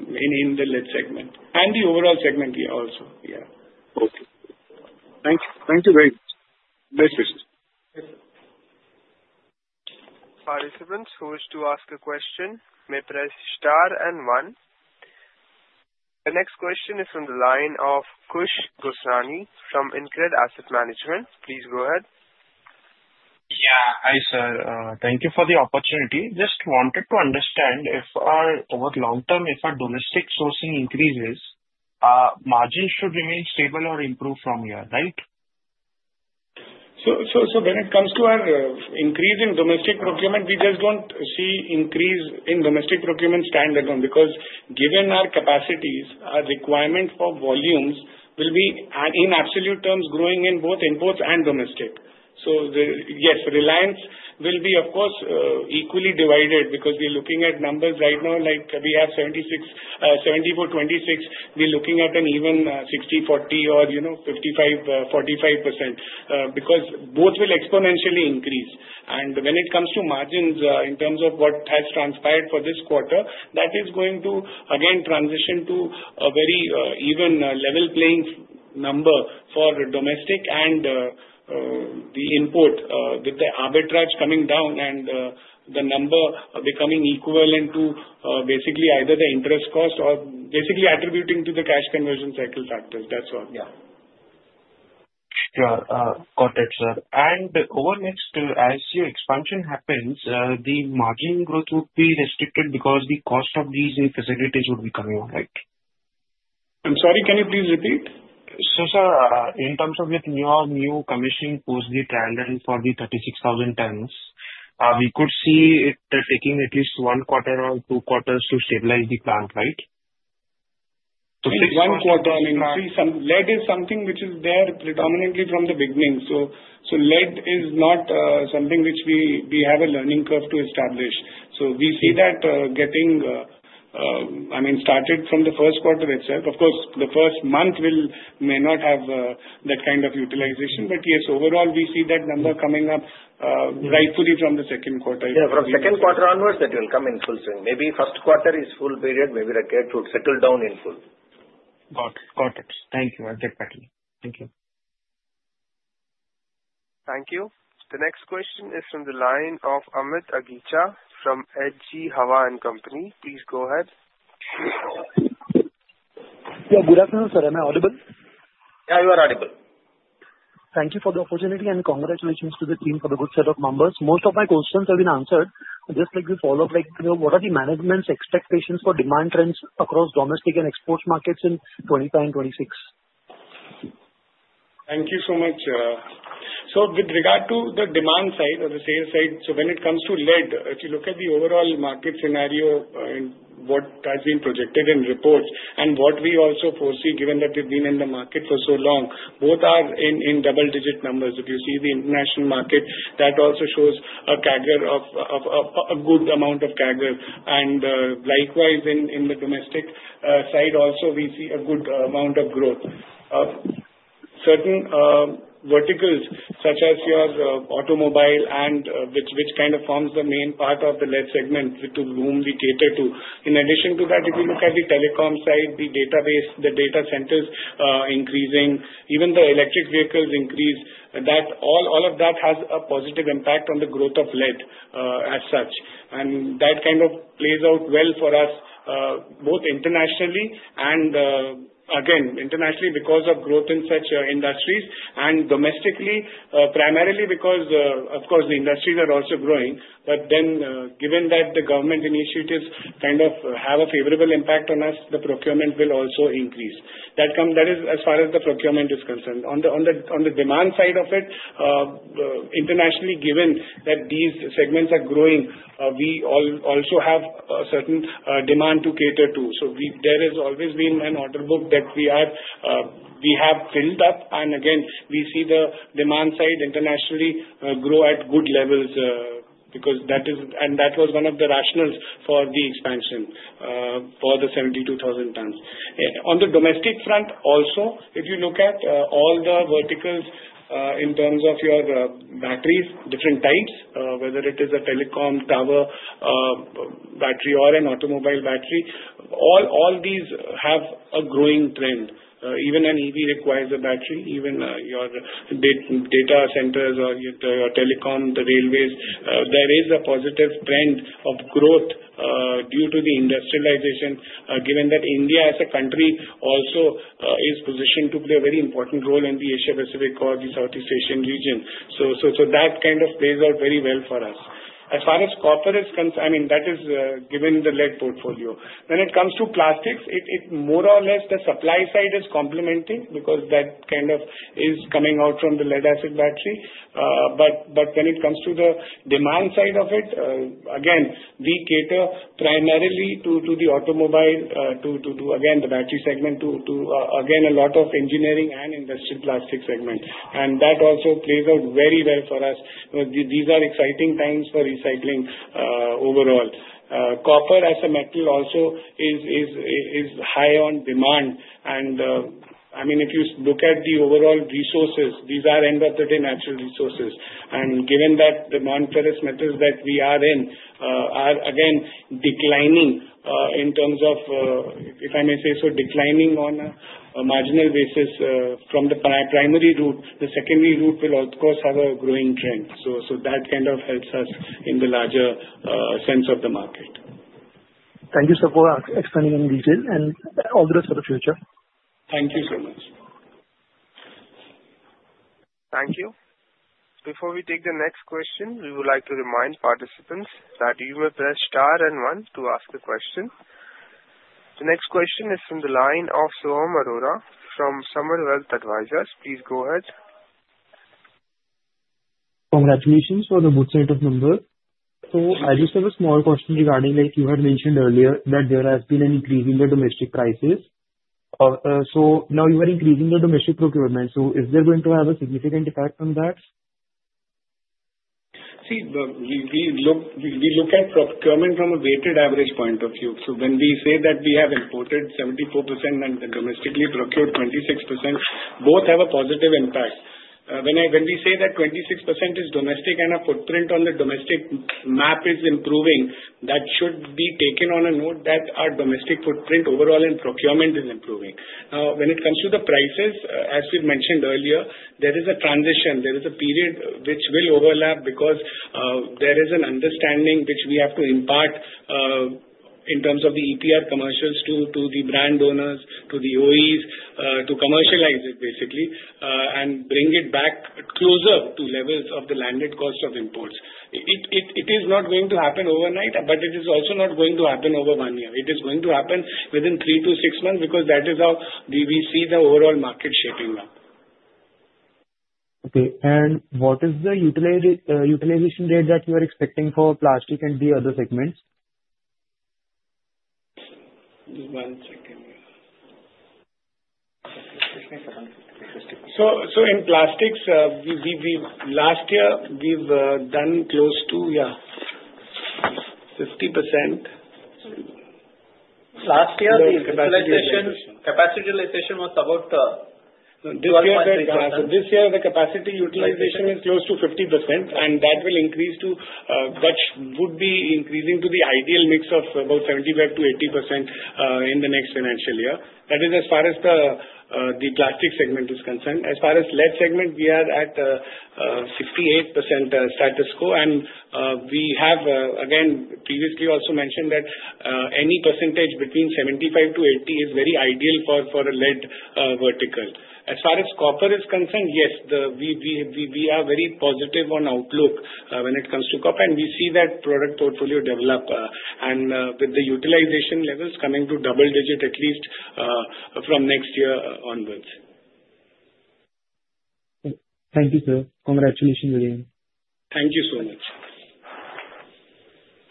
in the lead segment and the overall segment also. Yeah. Okay. Thank you very much. Participants who wish to ask a question, may press star and one. The next question is from the line of Kush Gosrani from InCred Asset Management. Please go ahead. Yeah. Hi, sir. Thank you for the opportunity. Just wanted to understand if over long term, if our domestic sourcing increases, margins should remain stable or improve from here, right? When it comes to our increase in domestic procurement, we just don't see increase in domestic procurement stand-alone because given our capacities, our requirement for volumes will be in absolute terms growing in both imports and domestic. Yes, reliance will be, of course, equally divided because we are looking at numbers right now like we have 74%, 26%. We're looking at an even 60%-40% or 55%-45%, because both will exponentially increase. When it comes to margins in terms of what has transpired for this quarter, that is going to again transition to a very even level playing number for domestic and the import. With the arbitrage coming down and the number becoming equivalent to basically either the interest cost or basically attributing to the cash conversion cycle factors. That's all. Yeah. Sure. Got it, sir. Over next, as your expansion happens, the margin growth will be restricted because the cost of these new facilities would be coming on, right? I'm sorry, can you please repeat? Sir, in terms of with your new commissioning post the trial run for the 36,000 tons, we could see it taking at least one quarter or two quarters to stabilize the plant, right? One quarter. Lead is something which is there predominantly from the beginning. Lead is not something which we have a learning curve to establish. We see that getting started from the first quarter itself. Of course, the first month may not have that kind of utilization. Yes, overall, we see that number coming up rightfully from the second quarter. Yeah. From second quarter onwards, that will come in full swing. Maybe first quarter is full period, maybe that curve to settle down in full. Got it. Thank you. I'll take that. Thank you. Thank you. The next question is from the line of Amit Agicha from H. G. Hawa & Company. Please go ahead. Yeah. Good afternoon, sir. Am I audible? Yeah, you are audible. Thank you for the opportunity, and congratulations to the team for the good set of numbers. Most of my questions have been answered. Just like the follow-up, what are the management's expectations for demand trends across domestic and export markets in 2025 and 2026? Thank you so much. With regard to the demand side or the sales side, so when it comes to lead, if you look at the overall market scenario in. What has been projected in reports and what we also foresee, given that we've been in the market for so long, both are in double-digit numbers. If you see the international market, that also shows a good amount of CAGR. Likewise, in the domestic side also, we see a good amount of growth. Certain verticals such as your automobile and which kind of forms the main part of the lead segment, to whom we cater to. In addition to that, if you look at the telecom side, the database, the data centers increasing, even the electric vehicles increase, all of that has a positive impact on the growth of lead as such. That kind of plays out well for us, both internationally and, again, internationally because of growth in such industries, and domestically, primarily because, of course, the industries are also growing, given that the government initiatives kind of have a favorable impact on us, the procurement will also increase. That is as far as the procurement is concerned. On the demand side of it, internationally, given that these segments are growing, we also have a certain demand to cater to. There has always been an order book that we have filled up. Again, we see the demand side internationally grow at good levels, and that was one of the rationales for the expansion for the 72,000 tons. On the domestic front, also, if you look at all the verticals in terms of your batteries, different types, whether it is a telecom tower battery or an automobile battery, all these have a growing trend. Even an EV requires a battery, even your data centers or your telecom, the railways. There is a positive trend of growth due to the industrialization, given that India as a country also is positioned to play a very important role in the Asia-Pacific or the Southeast Asian region. That kind of plays out very well for us. As far as copper is concerned, that is given the lead portfolio. When it comes to plastics, more or less the supply side is complementing because that kind of is coming out from the lead acid battery. When it comes to the demand side of it, we cater primarily to the automobile, to the battery segment, to a lot of engineering and industrial plastic segment. That also plays out very well for us. These are exciting times for recycling overall. Copper as a metal also is high on demand. If you look at the overall resources, these are embedded in natural resources. Given that the non-ferrous metals that we are in are declining in terms of, if I may say so, declining on a marginal basis from the primary route, the secondary route will of course have a growing trend. That kind of helps us in the larger sense of the market. Thank you, sir, for explaining in detail and all the best for the future. Thank you so much. Thank you. Before we take the next question, we would like to remind participants that you may press star one to ask a question. The next question is from the line of Samir Arora from Samarth Wealth Advisors. Please go ahead. Congratulations for the good set of numbers. I just have a small question regarding, like you had mentioned earlier, that there has been an increase in the domestic prices. Now you are increasing the domestic procurement. Is there going to have a significant effect on that? We look at procurement from a weighted average point of view. When we say that we have imported 74% and domestically procured 26%, both have a positive impact. When we say that 26% is domestic and our footprint on the domestic map is improving, that should be taken on a note that our domestic footprint overall in procurement is improving. When it comes to the prices, as we mentioned earlier, there is a transition. There is a period which will overlap because there is an understanding which we have to impart in terms of the EPR commercials to the brand owners, to the OEs, to commercialize it basically, and bring it back closer to levels of the landed cost of imports. It is not going to happen overnight, it is also not going to happen over one year. It is going to happen within three to six months because that is how we see the overall market shaping up. Okay. What is the utilization rate that you are expecting for plastic and the other segments? Just one second. In plastics, last year we've done close to 50%. Last year the capacity utilization was about 12.3%. This year the capacity utilization is close to 50%, and that would be increasing to the ideal mix of about 75%-80% in the next financial year. That is as far as the plastic segment is concerned. As far as lead segment, we are at 68% status quo. We have, again, previously also mentioned that any percentage between 75%-80% is very ideal for a lead vertical. As far as copper is concerned, yes, we are very positive on outlook when it comes to copper, and we see that product portfolio develop and with the utilization levels coming to double-digit at least from next year onwards. Thank you, sir. Congratulations again. Thank you so much.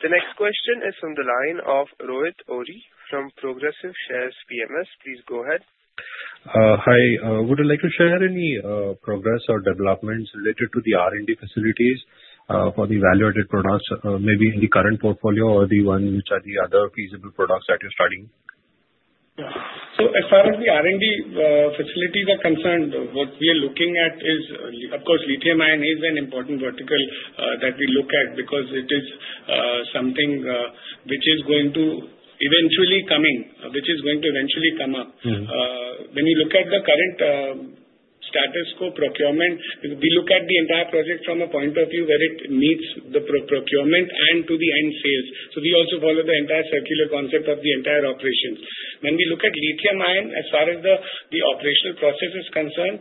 The next question is from the line of Rohit Ohri from Progressive Shares PMS. Please go ahead. Hi. Would you like to share any progress or developments related to the R&D facilities for the value-added products, maybe in the current portfolio or the ones which are the other feasible products that you're starting? As far as the R&D facilities are concerned, what we are looking at is, of course, lithium-ion is an important vertical that we look at because it is something which is going to eventually come up. When you look at the current status quo procurement, we look at the entire project from a point of view where it meets the procurement and to the end sales. We also follow the entire circular concept of the entire operations. When we look at lithium-ion, as far as the operational process is concerned,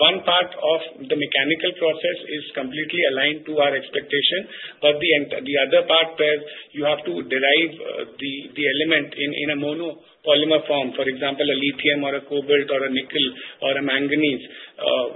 one part of the mechanical process is completely aligned to our expectation. The other part where you have to derive the element in a mono polymer form, for example, a lithium or a cobalt or a nickel or a manganese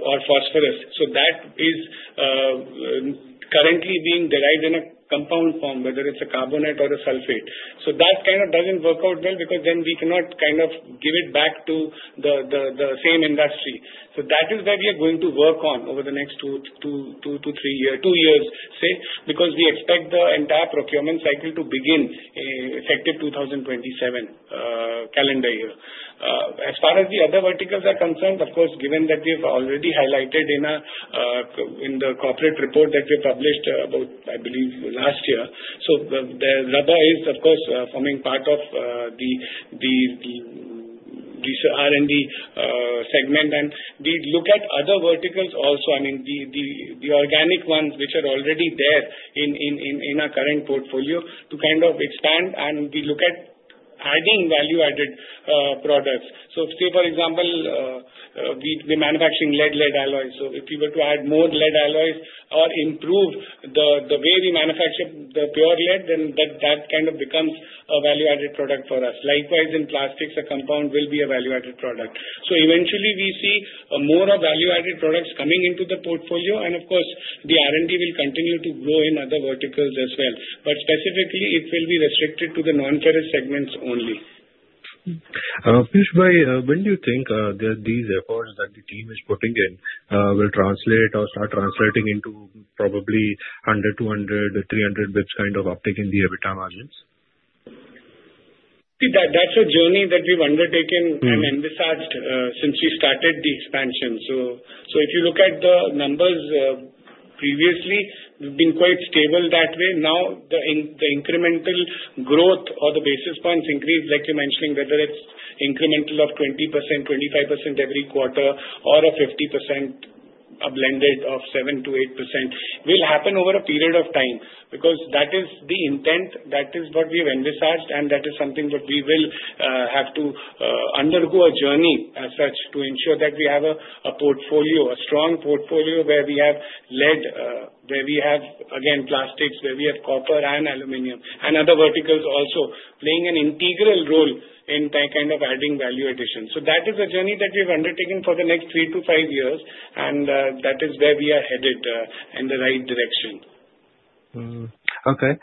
or phosphorus. That is currently being derived in a compound form, whether it's a carbonate or a sulfate. That kind of doesn't work out well because then we cannot give it back to the same industry. That is where we are going to work on over the next two years, say, because we expect the entire procurement cycle to begin effective 2027 calendar year. As far as the other verticals are concerned, of course, given that we've already highlighted in the corporate report that we published about, I believe, last year. Rubber is, of course, forming part of this R&D segment, and we look at other verticals also. I mean, the organic ones which are already there in our current portfolio to kind of expand, and we look at adding value-added products. Say, for example, we're manufacturing lead alloys. If we were to add more lead alloys or improve the way we manufacture the pure lead, then that kind of becomes a value-added product for us. Likewise, in plastics, a compound will be a value-added product. Eventually we see more value-added products coming into the portfolio, and of course, the R&D will continue to grow in other verticals as well. Specifically, it will be restricted to the non-ferrous segments only. Piyush, when do you think these efforts that the team is putting in will translate or start translating into probably 100, 200, 300 bits kind of uptick in the EBITDA margins? See, that's a journey that we've undertaken. Envisaged since we started the expansion. If you look at the numbers previously, we've been quite stable that way. Now, the incremental growth or the basis points increase, like you're mentioning, whether it's incremental of 20%, 25% every quarter or a 50%, a blended of 7%-8% will happen over a period of time. That is the intent, that is what we've envisaged, and that is something that we will have to undergo a journey as such to ensure that we have a strong portfolio where we have lead, where we have, again, plastics, where we have copper and aluminum and other verticals also playing an integral role in that kind of adding value addition. That is a journey that we've undertaken for the next 3-5 years, and that is where we are headed in the right direction. Okay.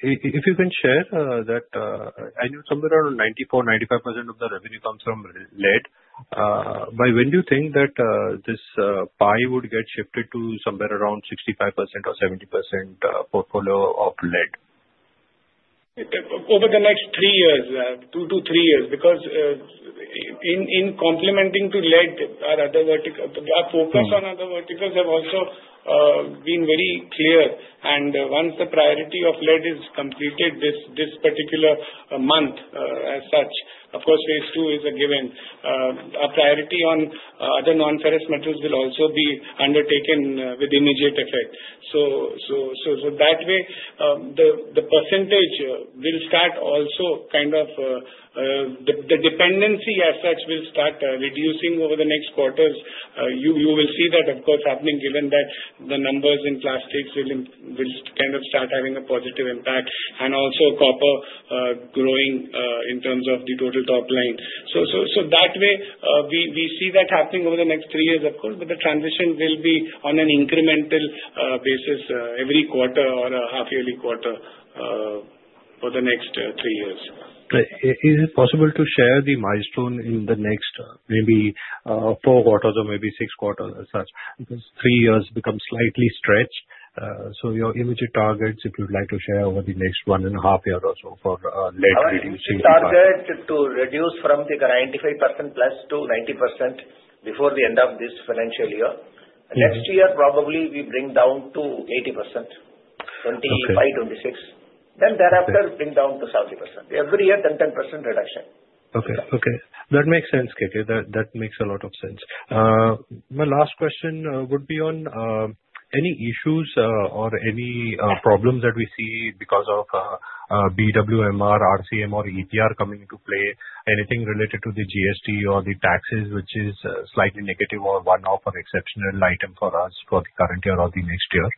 If you can share that annual somewhere around 94%-95% of the revenue comes from lead. When do you think that this pie would get shifted to somewhere around 65% or 70% portfolio of lead? Over the next two to three years. In complementing to lead, our focus on other verticals have also been very clear, and once the priority of lead is completed this particular month as such, of course, phase II is a given. Our priority on other non-ferrous metals will also be undertaken with immediate effect. That way, the percentage will start also kind of, the dependency as such will start reducing over the next quarters. You will see that, of course, happening given that the numbers in plastics will kind of start having a positive impact and also copper growing in terms of the total top line. That way, we see that happening over the next three years, of course, but the transition will be on an incremental basis every quarter or a half yearly quarter for the next three years. Is it possible to share the milestone in the next maybe four quarters or maybe six quarters as such? Because three years becomes slightly stretched. Your immediate targets, if you'd like to share over the next one and a half year or so for lead reducing. Our target to reduce from the 95%+ to 90% before the end of this financial year. Yeah. Next year, probably we bring down to 80%. Okay. 25, 26. Thereafter, bring down to 30%. Every year, 10% reduction. Okay. That makes sense, KK. That makes a lot of sense. My last question would be on any issues or any problems that we see because of BWMR, RCM or EPR coming into play. Anything related to the GST or the taxes, which is slightly negative or one-off or exceptional item for us for the current year or the next year?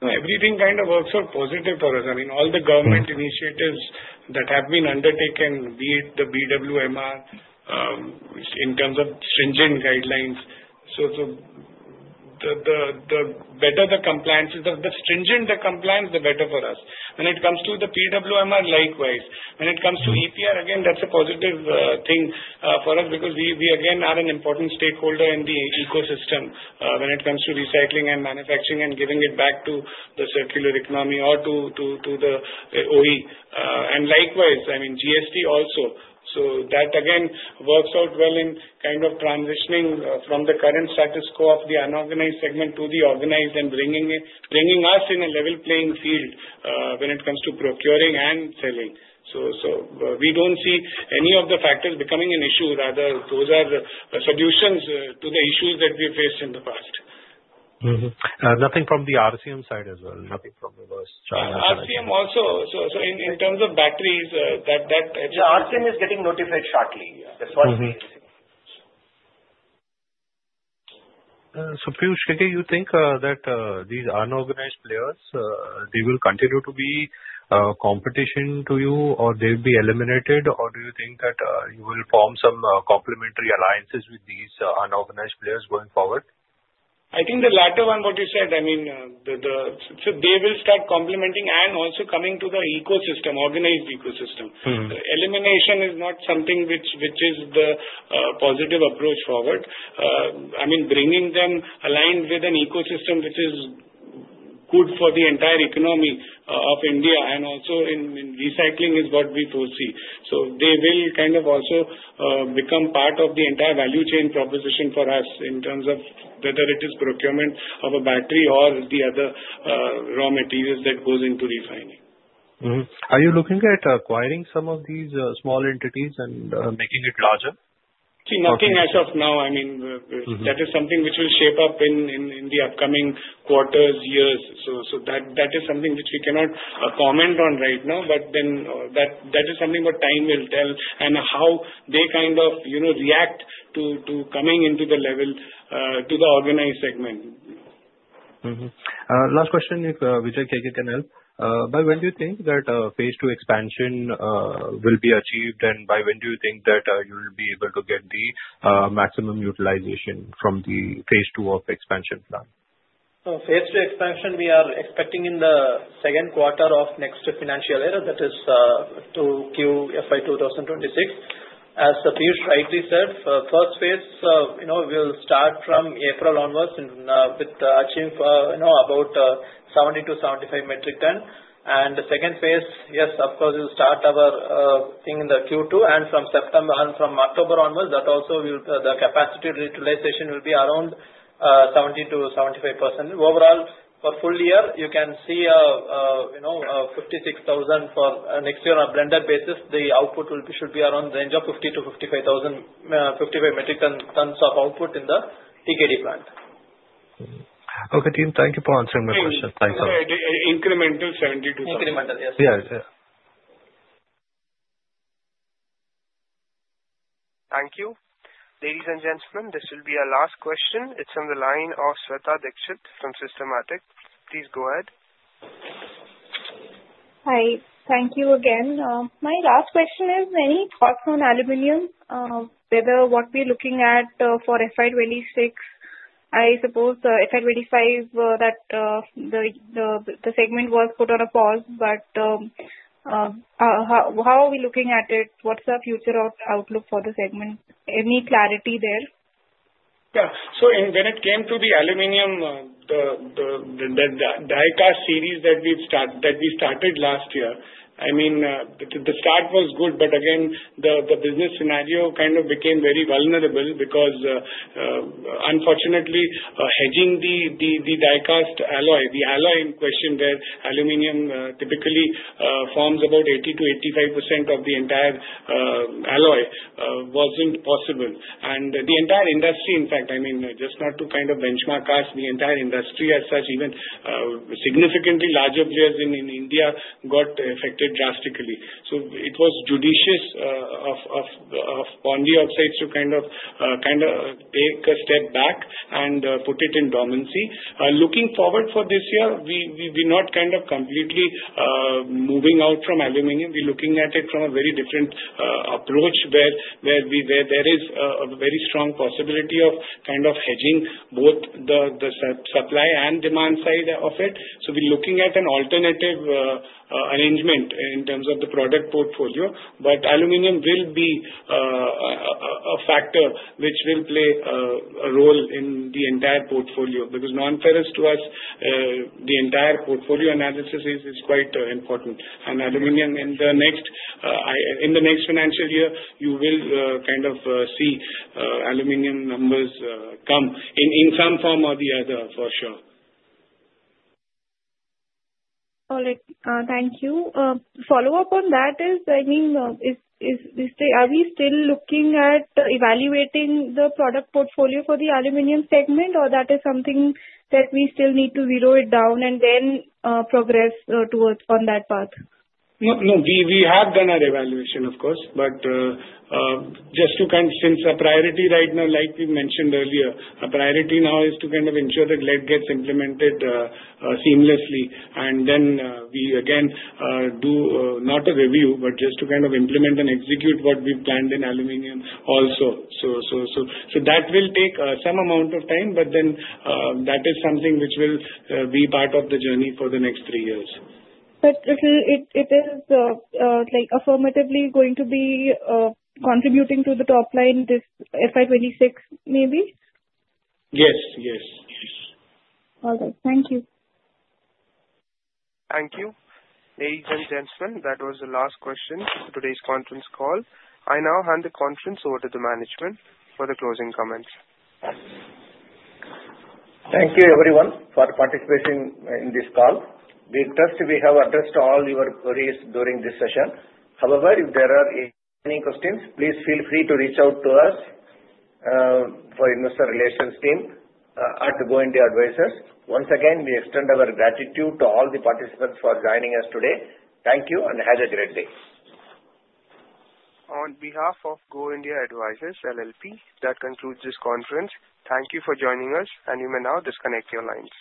Everything kind of works out positive for us. All the government initiatives that have been undertaken, be it the BWMR, in terms of stringent guidelines. The better the compliances, the stringent the compliance, the better for us. When it comes to the PWMR, likewise. When it comes to EPR, again, that's a positive thing for us because we again, are an important stakeholder in the ecosystem, when it comes to recycling and manufacturing and giving it back to the circular economy or to the OE. Likewise, GST also. That again, works out well in kind of transitioning from the current status quo of the unorganized segment to the organized and bringing us in a level playing field, when it comes to procuring and selling. We don't see any of the factors becoming an issue. Those are solutions to the issues that we faced in the past. Mm-hmm. Nothing from the RCM side as well? Nothing from reverse charge. RCM also, so in terms of batteries. The RCM is getting notified shortly. That is what we are seeing. Piyush, do you think that these unorganized players, they will continue to be a competition to you or they'll be eliminated? Or do you think that you will form some complementary alliances with these unorganized players going forward? I think the latter one, what you said, they will start complementing and also coming to the ecosystem, organized ecosystem. Elimination is not something which is the positive approach forward. Bringing them aligned with an ecosystem which is good for the entire economy of India and also in recycling is what we foresee. They will kind of also become part of the entire value chain proposition for us in terms of whether it is procurement of a battery or the other raw materials that goes into refining. Mm-hmm. Are you looking at acquiring some of these small entities and making it larger? Nothing as of now. That is something which will shape up in the upcoming quarters, years. That is something which we cannot comment on right now. That is something what time will tell and how they kind of react to coming into the level, to the organized segment. Mm-hmm. Last question, if Vijay can help, by when do you think that phase II expansion will be achieved and by when do you think that you will be able to get the maximum utilization from the phase II of expansion plan? phase II expansion, we are expecting in the second quarter of next financial year, that is Q2 FY 2026. As Piyush rightly said, phase I will start from April onwards with achieving about 70-75 metric ton. The phase II, yes, of course, we'll start our thing in the Q2 and from October onwards, the capacity utilization will be around 70%-75%. Overall, for full year, you can see 56,000 for next year on a blended basis, the output should be around the range of 50,000-55,000, 55 metric tons of output in the TKD plant. Okay, team. Thank you for answering my question. Thanks a lot. Incremental 72. Incremental, yes. Yeah. Thank you. Ladies and gentlemen, this will be our last question. It is on the line of Shweta Dikshit from Systematix. Please go ahead. Hi. Thank you again. My last question is, any thoughts on aluminum? Whether what we're looking at for FY 2026, I suppose, FY 2025, that the segment was put on a pause, but how are we looking at it? What's the future or outlook for the segment? Any clarity there? Yeah. When it came to the aluminum, the die-cast series that we started last year, the start was good, but again, the business scenario kind of became very vulnerable because, unfortunately, hedging the die-cast alloy, the alloy in question where aluminum typically forms about 80%-85% of the entire alloy, wasn't possible. The entire industry, in fact, just not to kind of benchmark us, the entire industry as such, even significantly larger players in India got affected drastically. It was judicious of Pondy Oxides to take a step back and put it in dormancy. Looking forward for this year, we're not kind of completely moving out from aluminum. We're looking at it from a very different approach where there is a very strong possibility of hedging both the supply and demand side of it. We're looking at an alternative arrangement in terms of the product portfolio. Aluminum will be a factor which will play a role in the entire portfolio, because non-ferrous to us, the entire portfolio analysis is quite important. Aluminum in the next financial year, you will kind of see aluminum numbers come in some form or the other for sure. All right. Thank you. Follow-up on that is, are we still looking at evaluating the product portfolio for the aluminum segment or that is something that we still need to zero it down and then progress towards on that path? No, we have done our evaluation, of course, but just to kind of since our priority right now, like we mentioned earlier, our priority now is to ensure that lead gets implemented seamlessly, and then we again, do not a review, but just to kind of implement and execute what we've planned in aluminum also. That will take some amount of time, but then that is something which will be part of the journey for the next three years. It is affirmatively going to be contributing to the top line this FY 2026, maybe? Yes. All right. Thank you. Thank you. Ladies and gentlemen, that was the last question for today's conference call. I now hand the conference over to the management for the closing comments. Thank you everyone for participating in this call. We trust we have addressed all your queries during this session. If there are any questions, please feel free to reach out to us, for investor relations team at Go India Advisors. Once again, we extend our gratitude to all the participants for joining us today. Thank you and have a great day. On behalf of Go India Advisors LLP, that concludes this conference. Thank you for joining us and you may now disconnect your lines.